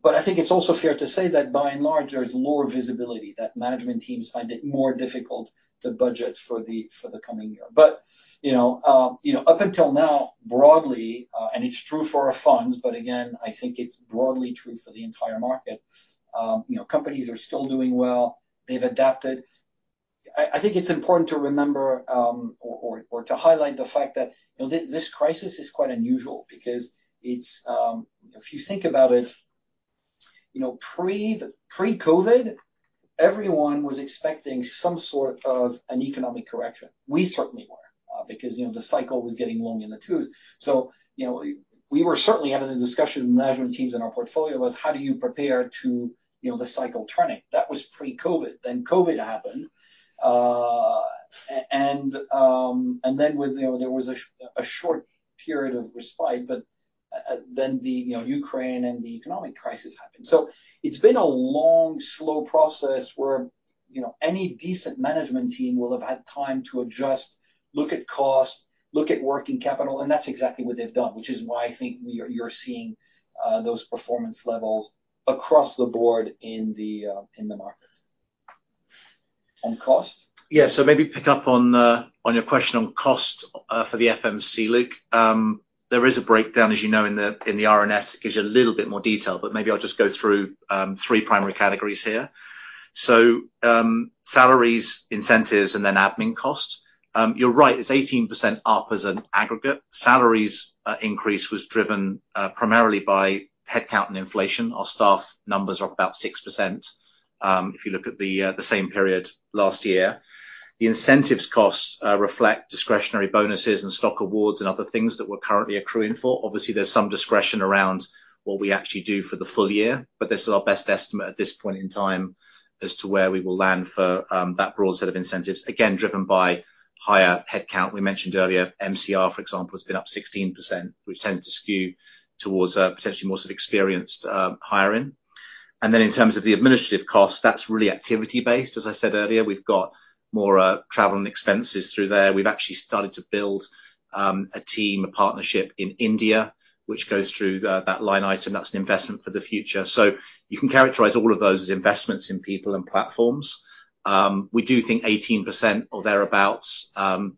But I think it's also fair to say that by and large, there is lower visibility, that management teams find it more difficult to budget for the, for the coming year. But, you know, you know, up until now, broadly, and it's true for our funds, but again, I think it's broadly true for the entire market, you know, companies are still doing well. They've adapted. I think it's important to remember or to highlight the fact that, you know, this crisis is quite unusual because it's, if you think about it, you know, pre-COVID, everyone was expecting some sort of an economic correction. We certainly were, because, you know, the cycle was getting long in the tooth. So, you know, we were certainly having a discussion with management teams in our portfolio, was how do you prepare to, you know, the cycle turning? That was pre-COVID. Then COVID happened, and then with, you know, there was a short period of respite, but, then the, you know, Ukraine and the economic crisis happened. So it's been a long, slow process where, you know, any decent management team will have had time to adjust, look at cost, look at working capital, and that's exactly what they've done, which is why I think we are--you're seeing those performance levels across the board in the market. On cost? Yeah. So maybe pick up on your question on cost for the FMC, like. There is a breakdown, as you know, in the RNS. It gives you a little bit more detail, but maybe I'll just go through three primary categories here. So, salaries, incentives, and then admin cost. You're right, it's 18% up as an aggregate. Salaries increase was driven primarily by headcount and inflation. Our staff numbers are up about 6%, if you look at the same period last year. The incentives costs reflect discretionary bonuses and stock awards and other things that we're currently accruing for. Obviously, there's some discretion around what we actually do for the full year, but this is our best estimate at this point in time as to where we will land for that broad set of incentives, again, driven by higher headcount. We mentioned earlier, MCR, for example, has been up 16%, which tends to skew towards potentially more sort of experienced hiring. And then in terms of the administrative costs, that's really activity-based. As I said earlier, we've got more travel and expenses through there. We've actually started to build a team, a partnership in India, which goes through that line item. That's an investment for the future. So you can characterize all of those as investments in people and platforms. We do think 18% or thereabout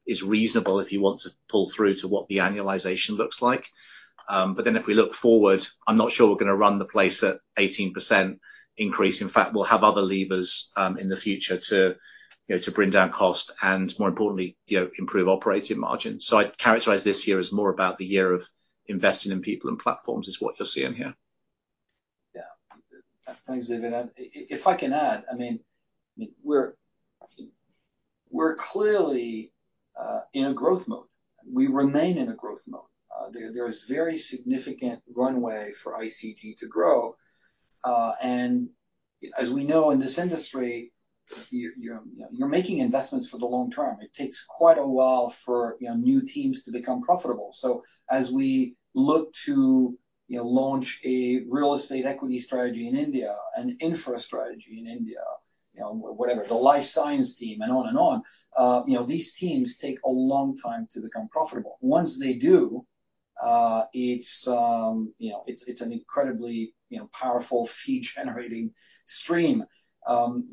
is reasonable if you want to pull through to what the annualization looks like. But then if we look forward, I'm not sure we're gonna run the place at 18% increase. In fact, we'll have other levers in the future to, you know, to bring down cost and more importantly, you know, improve operating margin. So I'd characterize this year as more about the year of investing in people and platforms, is what you're seeing here. Yeah. Thanks, David. And if I can add, I mean, we're clearly in a growth mode. We remain in a growth mode. There is very significant runway for ICG to grow. And as we know in this industry, you're making investments for the long term. It takes quite a while for, you know, new teams to become profitable. So as we look to, you know, launch a real estate equity strategy in India, an infra strategy in India, you know, whatever, the life science team and on and on, you know, these teams take a long time to become profitable. Once they do, it's, you know, it's an incredibly, you know, powerful fee-generating stream.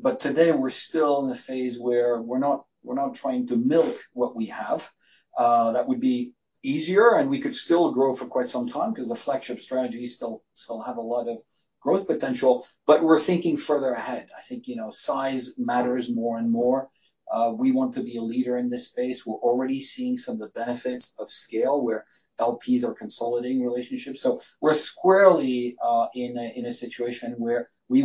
But today, we're still in a phase where we're not trying to milk what we have. That would be easier, and we could still grow for quite some time because the flagship strategies still have a lot of growth potential, but we're thinking further ahead. I think, you know, size matters more and more. We want to be a leader in this space. We're already seeing some of the benefits of scale, where LPs are consolidating relationships. So we're squarely in a situation where we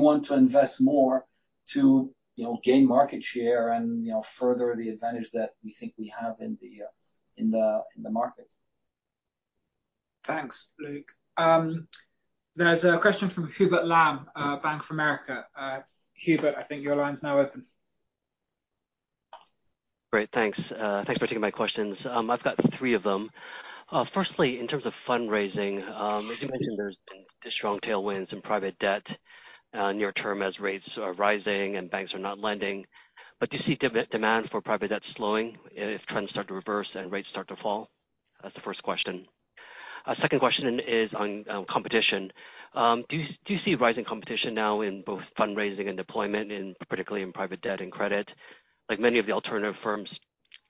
want to invest more to, you know, gain market share and, you know, further the advantage that we think we have in the market. Thanks, Luke. There's a question from Hubert Lam, Bank of America. Hubert, I think your line's now open. Great, thanks. Thanks for taking my questions. I've got three of them. Firstly, in terms of fundraising, as you mentioned, there's been the strong tailwinds in private debt, near term as rates are rising and banks are not lending. But do you see demand for private debt slowing if trends start to reverse and rates start to fall? That's the first question.... Second question is on competition. Do you see rising competition now in both fundraising and deployment, particularly in private debt and credit? Like many of the alternative firms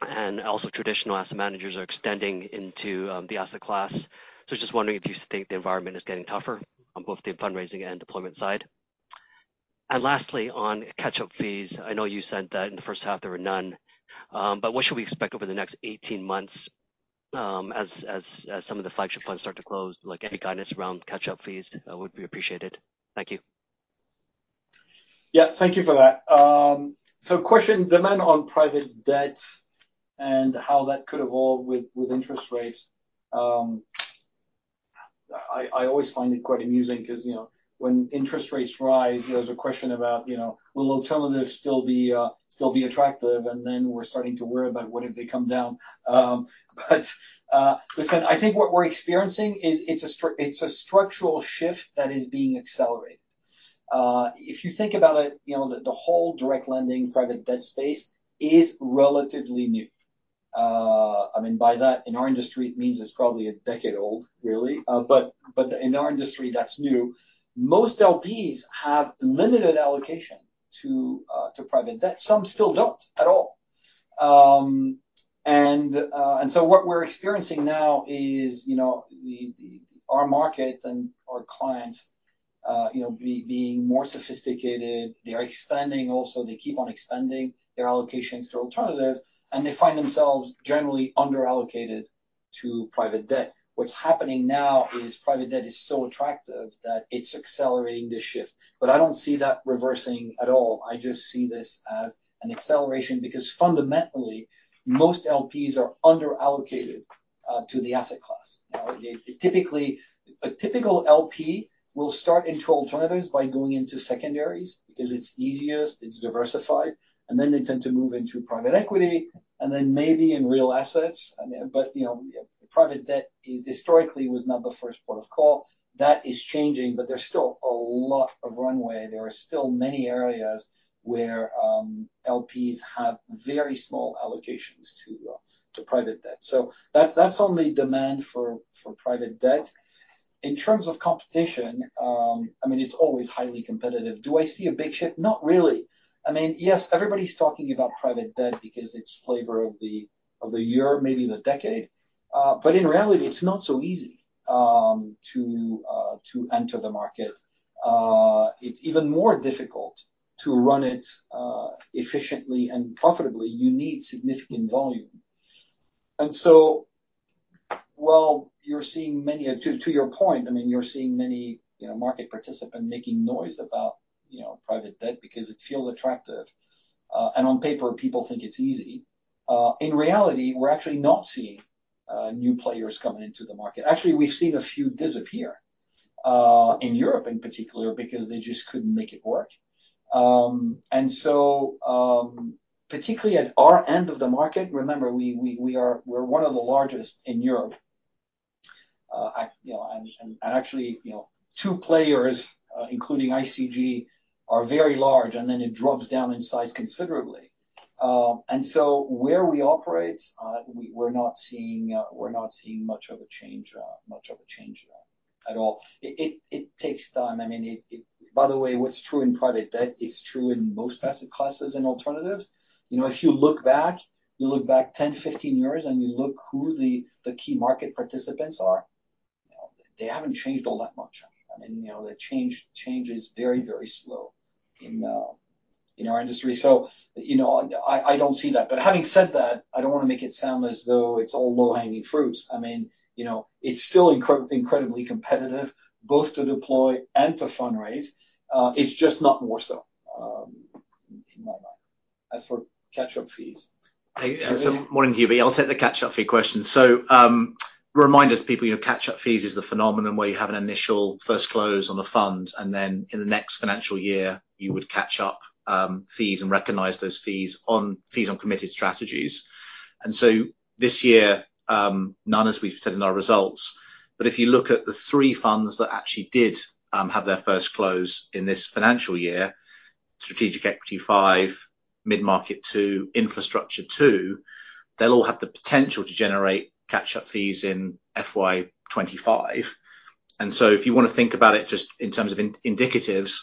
and also traditional asset managers are extending into the asset class. So just wondering if you think the environment is getting tougher on both the fundraising and deployment side. And lastly, on catch-up fees. I know you said that in the first half there were none, but what should we expect over the next 18 months, as some of the flagship funds start to close? Like, any guidance around catch-up fees would be appreciated. Thank you. Yeah. Thank you for that. So question, demand on private debt and how that could evolve with, with interest rates. I always find it quite amusing 'cause, you know, when interest rates rise, there's a question about, you know, will alternatives still be, still be attractive? And then we're starting to worry about what if they come down. But listen, I think what we're experiencing is it's a structural shift that is being accelerated. If you think about it, you know, the whole direct lending private debt space is relatively new. I mean, by that, in our industry, it means it's probably a decade old, really, but in our industry, that's new. Most LPs have limited allocation to private debt. Some still don't at all. And... And so what we're experiencing now is, you know, our market and our clients, you know, being more sophisticated. They are expanding also. They keep on expanding their allocations to alternatives, and they find themselves generally underallocated to private debt. What's happening now is private debt is so attractive that it's accelerating the shift, but I don't see that reversing at all. I just see this as an acceleration because fundamentally, most LPs are underallocated to the asset class. Now, typically, a typical LP will start into alternatives by going into secondaries because it's easiest, it's diversified, and then they tend to move into private equity, and then maybe in real assets. I mean, but, you know, private debt historically was not the first port of call. That is changing, but there's still a lot of runway. There are still many areas where LPs have very small allocations to private debt. So that's on the demand for private debt. In terms of competition, I mean, it's always highly competitive. Do I see a big shift? Not really. I mean, yes, everybody's talking about private debt because it's flavor of the year, maybe the decade. But in reality, it's not so easy to enter the market. It's even more difficult to run it efficiently and profitably. You need significant volume. And so, while you're seeing many. To your point, I mean, you're seeing many, you know, market participant making noise about, you know, private debt because it feels attractive. And on paper, people think it's easy. In reality, we're actually not seeing new players coming into the market. Actually, we've seen a few disappear in Europe in particular, because they just couldn't make it work. And so, particularly at our end of the market, remember, we are—we're one of the largest in Europe. You know, and actually, you know, two players, including ICG, are very large, and then it drops down in size considerably. And so where we operate, we're not seeing, we're not seeing much of a change, much of a change at all. It takes time. I mean, it. By the way, what's true in private debt is true in most asset classes and alternatives. You know, if you look back 10, 15 years, and you look who the key market participants are, you know, they haven't changed all that much. I mean, you know, the change is very, very slow in, in our industry. So, you know, I don't see that. But having said that, I don't want to make it sound as though it's all low-hanging fruits. I mean, you know, it's still incredibly competitive, both to deploy and to fundraise. It's just not more so, in my mind. As for catch-up fees- Hey, so morning, Hubert. I'll take the catch-up fee question. So, remind us, people, you know, catch-up fees is the phenomenon where you have an initial first close on the fund, and then in the next financial year, you would catch up, fees and recognize those fees on fees on committed strategies. And so this year, none, as we've said in our results, but if you look at the three funds that actually did have their first close in this financial year, Strategic Equity V, Mid-Market II, Infrastructure II, they'll all have the potential to generate catch-up fees in FY 25. And so if you want to think about it just in terms of indicatives,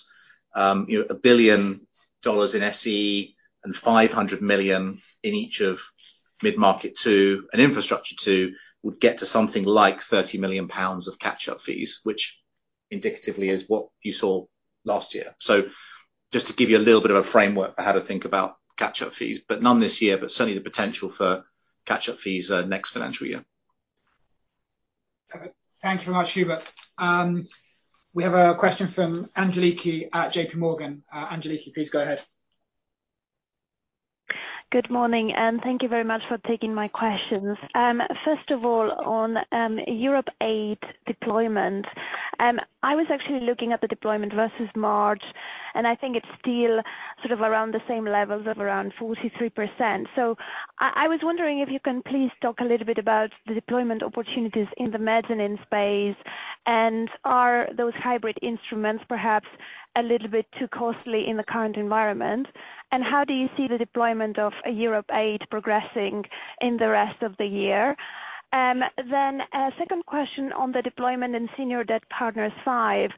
you know, $1 billion in SE and $500 million in each of Mid-Market II and Infrastructure II, would get to something like 30 million pounds of catch-up fees, which indicatively is what you saw last year. So just to give you a little bit of a framework for how to think about catch-up fees, but none this year, but certainly the potential for catch-up fees next financial year. Perfect. Thank you very much, Hubert. We have a question from Angeliki at J.P. Morgan. Angeliki, please go ahead. Good morning, and thank you very much for taking my questions. First of all, on Europe VIII deployment, I was actually looking at the deployment versus March, and I think it's still sort of around the same levels of around 43%. I was wondering if you can please talk a little bit about the deployment opportunities in the mezzanine space, and are those hybrid instruments perhaps a little bit too costly in the current environment? And how do you see the deployment of Europe VIII progressing in the rest of the year? A second question on the deployment and Senior Debt Partners V.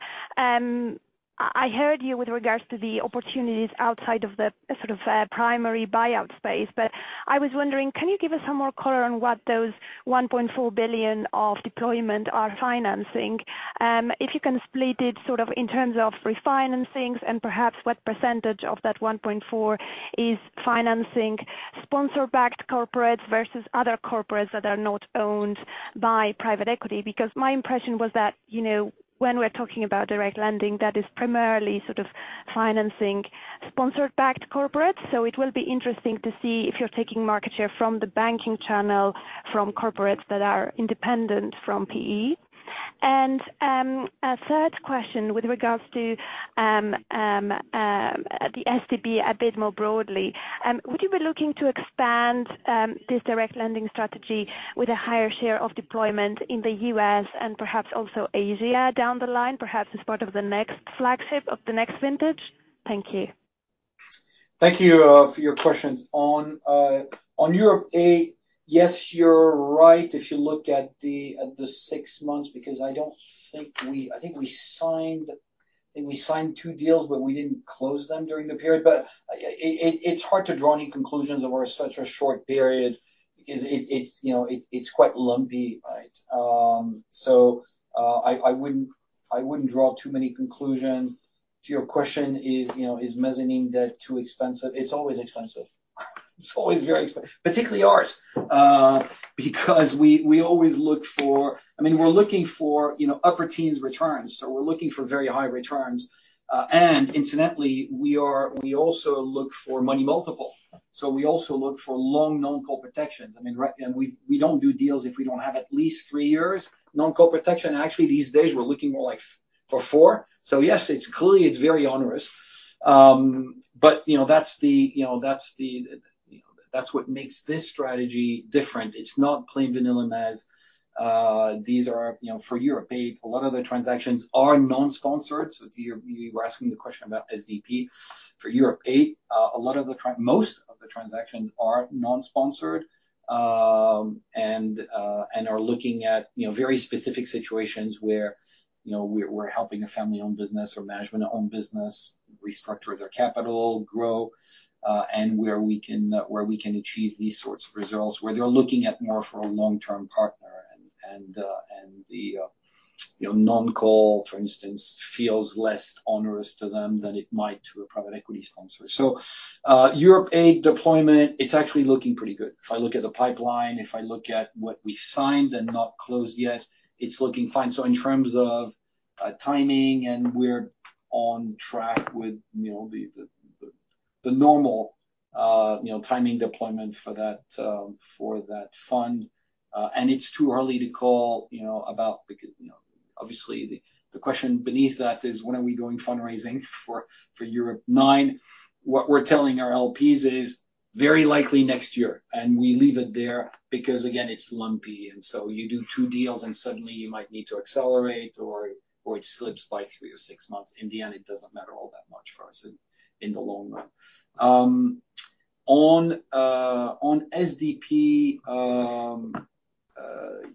I heard you with regards to the opportunities outside of the sort of primary buyout space, but I was wondering, can you give us some more color on what those 1.4 billion of deployment are financing? If you can split it sort of in terms of refinancings and perhaps what percentage of that 1.4 billion is financing sponsor-backed corporates versus other corporates that are not owned by private equity. Because my impression was that, you know, when we're talking about direct lending, that is primarily sort of financing sponsor-backed corporates. So it will be interesting to see if you're taking market share from the banking channel, from corporates that are independent from PE. And a third question with regards to the SDP a bit more broadly. Would you be looking to expand this direct lending strategy with a higher share of deployment in the U.S. and perhaps also Asia down the line, perhaps as part of the next flagship of the next vintage? Thank you. Thank you for your questions. On Europe VIII, yes, you're right. If you look at the six months, because I don't think we-- I think we signed, I think we signed two deals, but we didn't close them during the period. But it's hard to draw any conclusions over such a short period because it's you know it's quite lumpy, right? So I wouldn't draw too many conclusions. To your question, is you know is mezzanine debt too expensive? It's always expensive. It's always very expensive, particularly ours, because we always look for... I mean, we're looking for you know upper teens returns, so we're looking for very high returns. And incidentally, we also look for money multiple. So we also look for long non-call protections. I mean, right, and we've, we don't do deals if we don't have at least three years non-call protection. Actually, these days, we're looking more like for four. So yes, it's clearly it's very onerous. But, you know, that's the, you know, that's the, you know, that's what makes this strategy different. It's not plain vanilla mezz. These are, you know, for Europe VIII, a lot of the transactions are non-sponsored. So you're, you were asking the question about SDP. For Europe VIII, a lot of the trans-- most of the transactions are non-sponsored, and are looking at, you know, very specific situations where, you know, we're, we're helping a family-owned business or management-owned business restructure their capital, grow, and where we can, where we can achieve these sorts of results, where they're looking at more for a long-term partner and, and, and the, you know, non-call, for instance, feels less onerous to them than it might to a private equity sponsor. So, Europe VIII deployment, it's actually looking pretty good. If I look at the pipeline, if I look at what we've signed and not closed yet, it's looking fine. So in terms of, timing, and we're on track with, you know, the, the, the normal, you know, timing deployment for that, for that fund. And it's too early to call, you know, about... Because, you know, obviously, the question beneath that is, when are we going fundraising for Europe IX? What we're telling our LPs is very likely next year, and we leave it there because, again, it's lumpy, and so you do two deals, and suddenly you might need to accelerate or it slips by three or six months. In the end, it doesn't matter all that much for us in the long run. On SDP,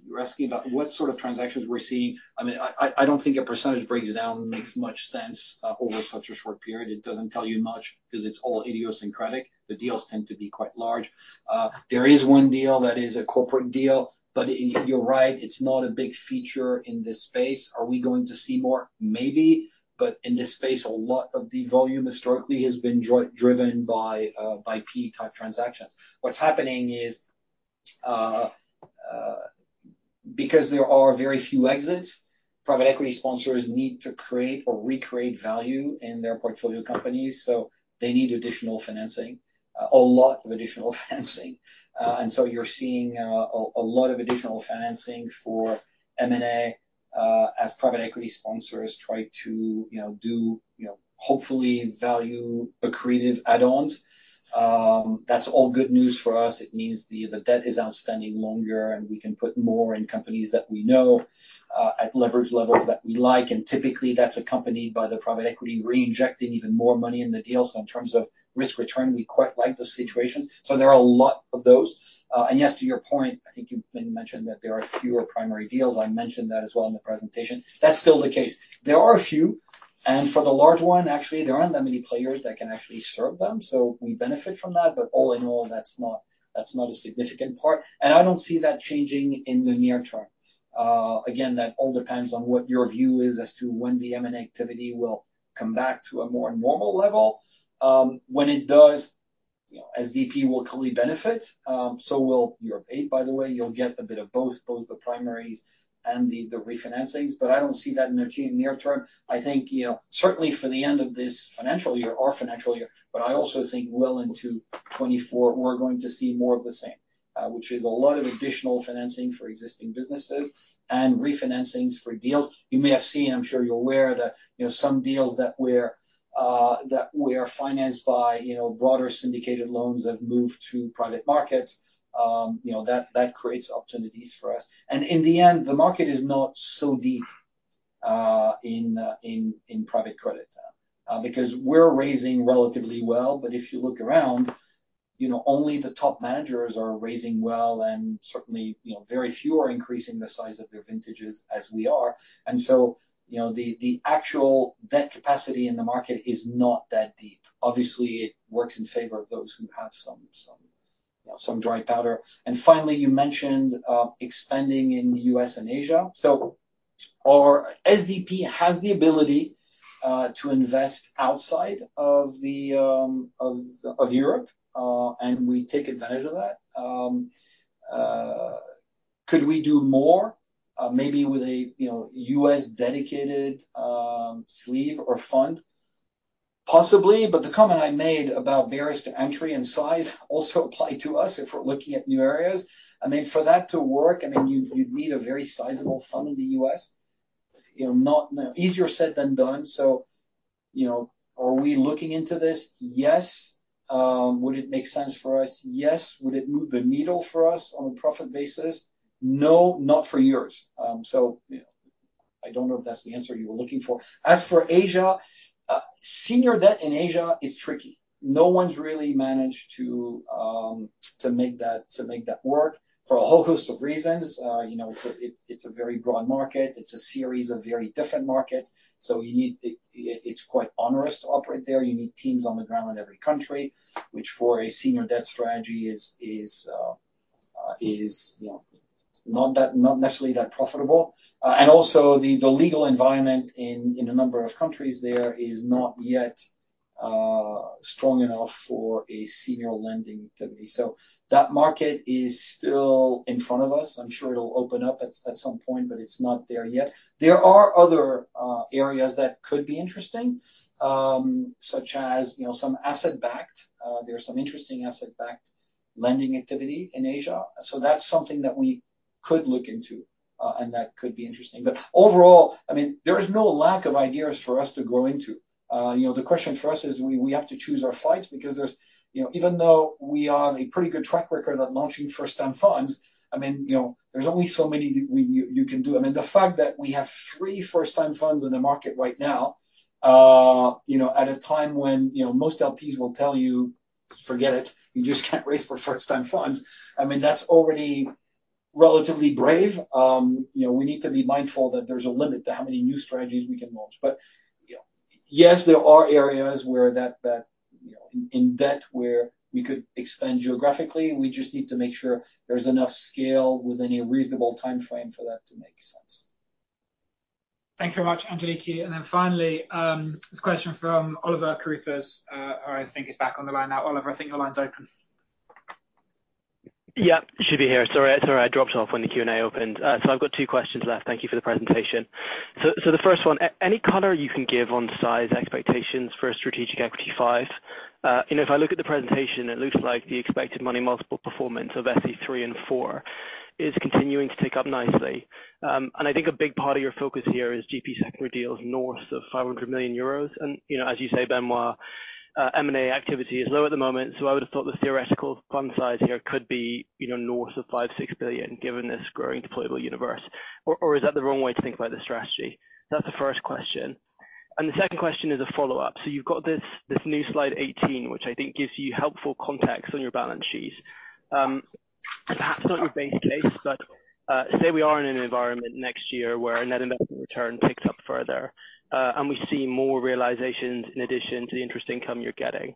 you're asking about what sort of transactions we're seeing. I mean, I don't think a percentage breakdown makes much sense over such a short period. It doesn't tell you much because it's all idiosyncratic. The deals tend to be quite large. There is one deal that is a corporate deal, but you're right, it's not a big feature in this space. Are we going to see more? Maybe, but in this space, a lot of the volume historically has been driven by PE type transactions. What's happening is, because there are very few exits, private equity sponsors need to create or recreate value in their portfolio companies, so they need additional financing, a lot of additional financing. And so you're seeing a lot of additional financing for M&A, as private equity sponsors try to, you know, do, you know, hopefully value accretive add-ons. That's all good news for us. It means the debt is outstanding longer, and we can put more in companies that we know at leverage levels that we like. Typically, that's accompanied by the private equity reinjecting even more money in the deal. So in terms of risk-return, we quite like those situations. So there are a lot of those. And yes, to your point, I think you mentioned that there are fewer primary deals. I mentioned that as well in the presentation. That's still the case. There are a few, and for the large one, actually, there aren't that many players that can actually serve them, so we benefit from that. But all in all, that's not, that's not a significant part, and I don't see that changing in the near term. Again, that all depends on what your view is as to when the M&A activity will come back to a more normal level. When it does, you know, SDP will clearly benefit, so will Europe VIII, by the way. You'll get a bit of both, both the primaries and the refinancings, but I don't see that changing near term. I think, you know, certainly for the end of this financial year, our financial year, but I also think well into 2024, we're going to see more of the same, which is a lot of additional financing for existing businesses and refinancings for deals. You may have seen, I'm sure you're aware that, you know, some deals that were financed by, you know, broader syndicated loans that have moved to private markets, you know, that creates opportunities for us. And in the end, the market is not so deep in private credit because we're raising relatively well. But if you look around, you know, only the top managers are raising well, and certainly, you know, very few are increasing the size of their vintages as we are. And so, you know, the actual debt capacity in the market is not that deep. Obviously, it works in favor of those who have some, you know, some dry powder. And finally, you mentioned expanding in the U.S. and Asia. So our SDP has the ability to invest outside of Europe, and we take advantage of that. Could we do more? Maybe with a, you know, U.S. dedicated sleeve or fund, possibly, but the comment I made about barriers to entry and size also apply to us if we're looking at new areas. I mean, for that to work, I mean, you'd, you'd need a very sizable fund in the U.S., you know, not easier said than done. So, you know, are we looking into this? Yes. So, you know, I don't know if that's the answer you were looking for. As for Asia, senior debt in Asia is tricky. No one's really managed to, to make that, to make that work for a whole host of reasons. You know, it's a very broad market. It's a series of very different markets, so you need it. It's quite onerous to operate there. You need teams on the ground in every country, which for a senior debt strategy is, you know, not that, not necessarily that profitable. And also the legal environment in a number of countries there is not yet strong enough for a senior lending activity. So that market is still in front of us. I'm sure it'll open up at some point, but it's not there yet. There are other areas that could be interesting, such as, you know, some asset-backed. There are some interesting asset-backed lending activity in Asia, so that's something that we could look into, and that could be interesting. But overall, I mean, there is no lack of ideas for us to grow into. You know, the question for us is we have to choose our fights because there's... You know, even though we have a pretty good track record at launching first-time funds, I mean, you know, there's only so many you can do. I mean, the fact that we have three first-time funds in the market right now, you know, at a time when, you know, most LPs will tell you, forget it, you just can't raise for first-time funds. I mean, that's already relatively brave. You know, we need to be mindful that there's a limit to how many new strategies we can launch. But, you know, yes, there are areas where that you know, in debt, where we could expand geographically. We just need to make sure there's enough scale within a reasonable time frame for that to make sense. Thank you very much, Angeliki. And then finally, this question from Oliver Carruthers, I think is back on the line now. Oliver, I think your line's open. Yeah, should be here. Sorry, sorry, I dropped off when the Q&A opened. So I've got two questions left. Thank you for the presentation. So, the first one, any color you can give on size expectations for Strategic Equity V? You know, if I look at the presentation, it looks like the expected money multiple performance of SE III and IV is continuing to tick up nicely. And I think a big part of your focus here is GP secondary deals north of 500 million euros. And, you know, as you say, Benoît, M&A activity is low at the moment, so I would have thought the theoretical fund size here could be, you know, north of 5-6 billion, given this growing deployable universe. Or is that the wrong way to think about the strategy? That's the first question. The second question is a follow-up. You've got this, this new slide 18, which I think gives you helpful context on your balance sheet. Perhaps not your base case, but say we are in an environment next year where a net investment return ticks up further, and we see more realizations in addition to the interest income you're getting.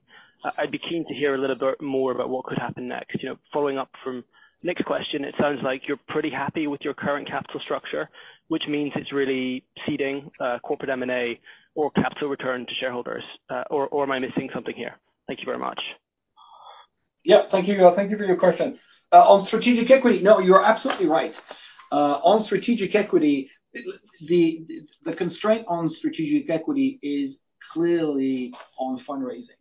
I'd be keen to hear a little bit more about what could happen next. You know, following up from Nick's question, it sounds like you're pretty happy with your current capital structure, which means it's really seeding corporate M&A or capital return to shareholders. Or am I missing something here? Thank you very much. Yeah, thank you. Thank you for your question. On Strategic Equity, no, you're absolutely right. On Strategic Equity, the constraint on Strategic Equity is clearly on fundraising.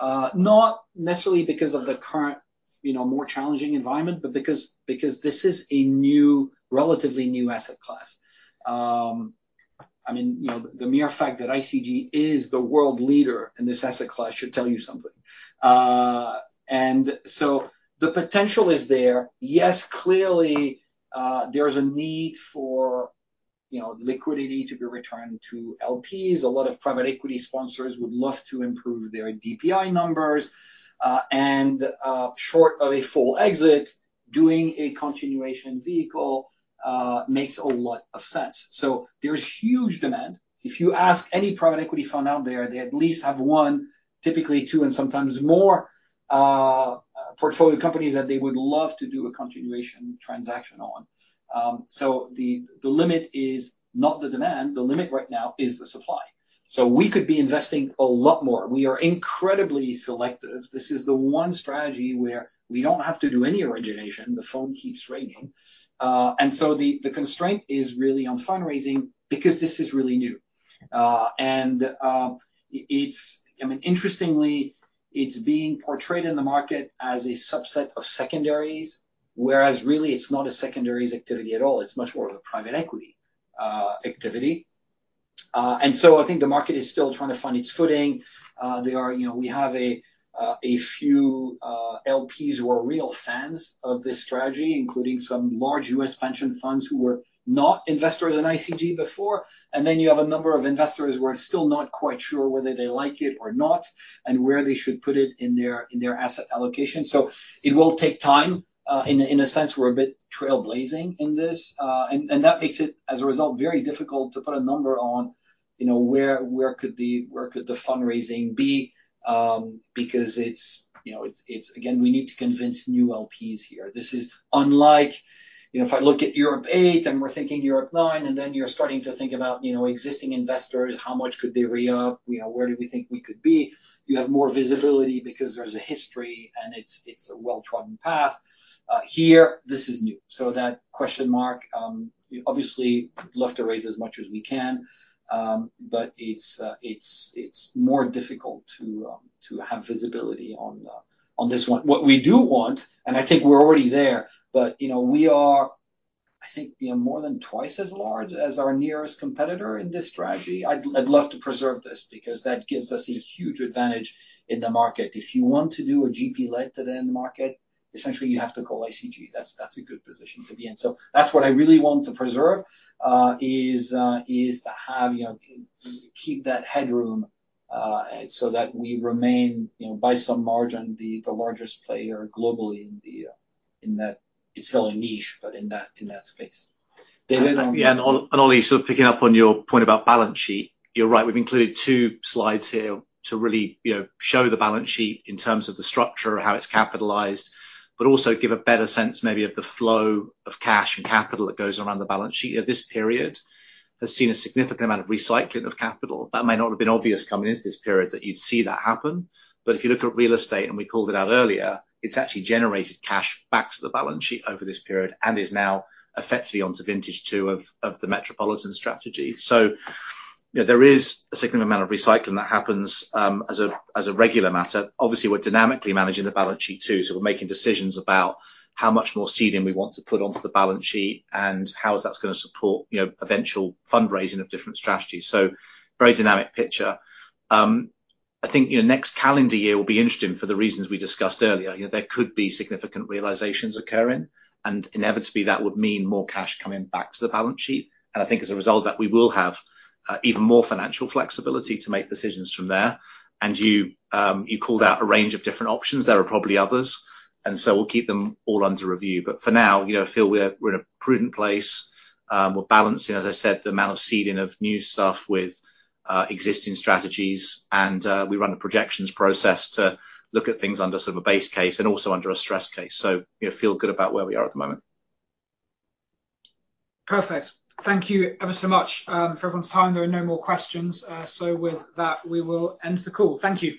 Not necessarily because of the current, you know, more challenging environment, but because this is a new, relatively new asset class. I mean, you know, the mere fact that ICG is the world leader in this asset class should tell you something. And so the potential is there. Yes, clearly, there's a need for, you know, liquidity to be returned to LPs. A lot of private equity sponsors would love to improve their DPI numbers. And short of a full exit, doing a continuation vehicle makes a lot of sense. So there's huge demand. If you ask any private equity fund out there, they at least have one, typically two, and sometimes more, portfolio companies that they would love to do a continuation transaction on. So the limit is not the demand, the limit right now is the supply. So we could be investing a lot more. We are incredibly selective. This is the one strategy where we don't have to do any origination. The phone keeps ringing. And so the constraint is really on fundraising because this is really new. And it's. I mean, interestingly, it's being portrayed in the market as a subset of secondaries, whereas really it's not a secondaries activity at all, it's much more of a private equity activity. And so I think the market is still trying to find its footing. They are, you know, we have a few LPs who are real fans of this strategy, including some large U.S. pension funds who were not investors in ICG before. And then you have a number of investors who are still not quite sure whether they like it or not, and where they should put it in their asset allocation. So it will take time. In a sense, we're a bit trailblazing in this, and that makes it, as a result, very difficult to put a number on, you know, where could the fundraising be? Because it's, you know, again, we need to convince new LPs here. This is unlike, you know, if I look at Europe VIII, and we're thinking Europe IX, and then you're starting to think about, you know, existing investors, how much could they re-up? You know, where do we think we could be? You have more visibility because there's a history, and it's a well-trodden path. Here, this is new. So that question mark, we obviously love to raise as much as we can, but it's more difficult to have visibility on this one. What we do want, and I think we're already there, but, you know, we are, I think, we are more than twice as large as our nearest competitor in this strategy. I'd love to preserve this because that gives us a huge advantage in the market. If you want to do a GP-led today in the market, essentially, you have to call ICG. That's, that's a good position to be in. So that's what I really want to preserve, is to have, you know, keep that headroom, so that we remain, you know, by some margin, the largest player globally in the, in that... It's still a niche, but in that space. Oli, sort of picking up on your point about balance sheet, you're right, we've included two slides here to really, you know, show the balance sheet in terms of the structure, how it's capitalized, but also give a better sense, maybe, of the flow of cash and capital that goes around the balance sheet. This period has seen a significant amount of recycling of capital. That may not have been obvious coming into this period that you'd see that happen, but if you look at real estate, and we called it out earlier, it's actually generated cash back to the balance sheet over this period and is now effectively onto vintage two of the Metropolitan strategy. So, you know, there is a significant amount of recycling that happens, as a regular matter. Obviously, we're dynamically managing the balance sheet, too, so we're making decisions about how much more seeding we want to put onto the balance sheet and how is that gonna support, you know, eventual fundraising of different strategies. So very dynamic picture. I think, you know, next calendar year will be interesting for the reasons we discussed earlier. You know, there could be significant realizations occurring, and inevitably, that would mean more cash coming back to the balance sheet. And I think as a result of that, we will have even more financial flexibility to make decisions from there. And you called out a range of different options. There are probably others, and so we'll keep them all under review. But for now, you know, I feel we're in a prudent place. We're balancing, as I said, the amount of seeding of new stuff with existing strategies, and we run a projections process to look at things under sort of a base case and also under a stress case. So we feel good about where we are at the moment. Perfect. Thank you ever so much, for everyone's time. There are no more questions. So with that, we will end the call. Thank you.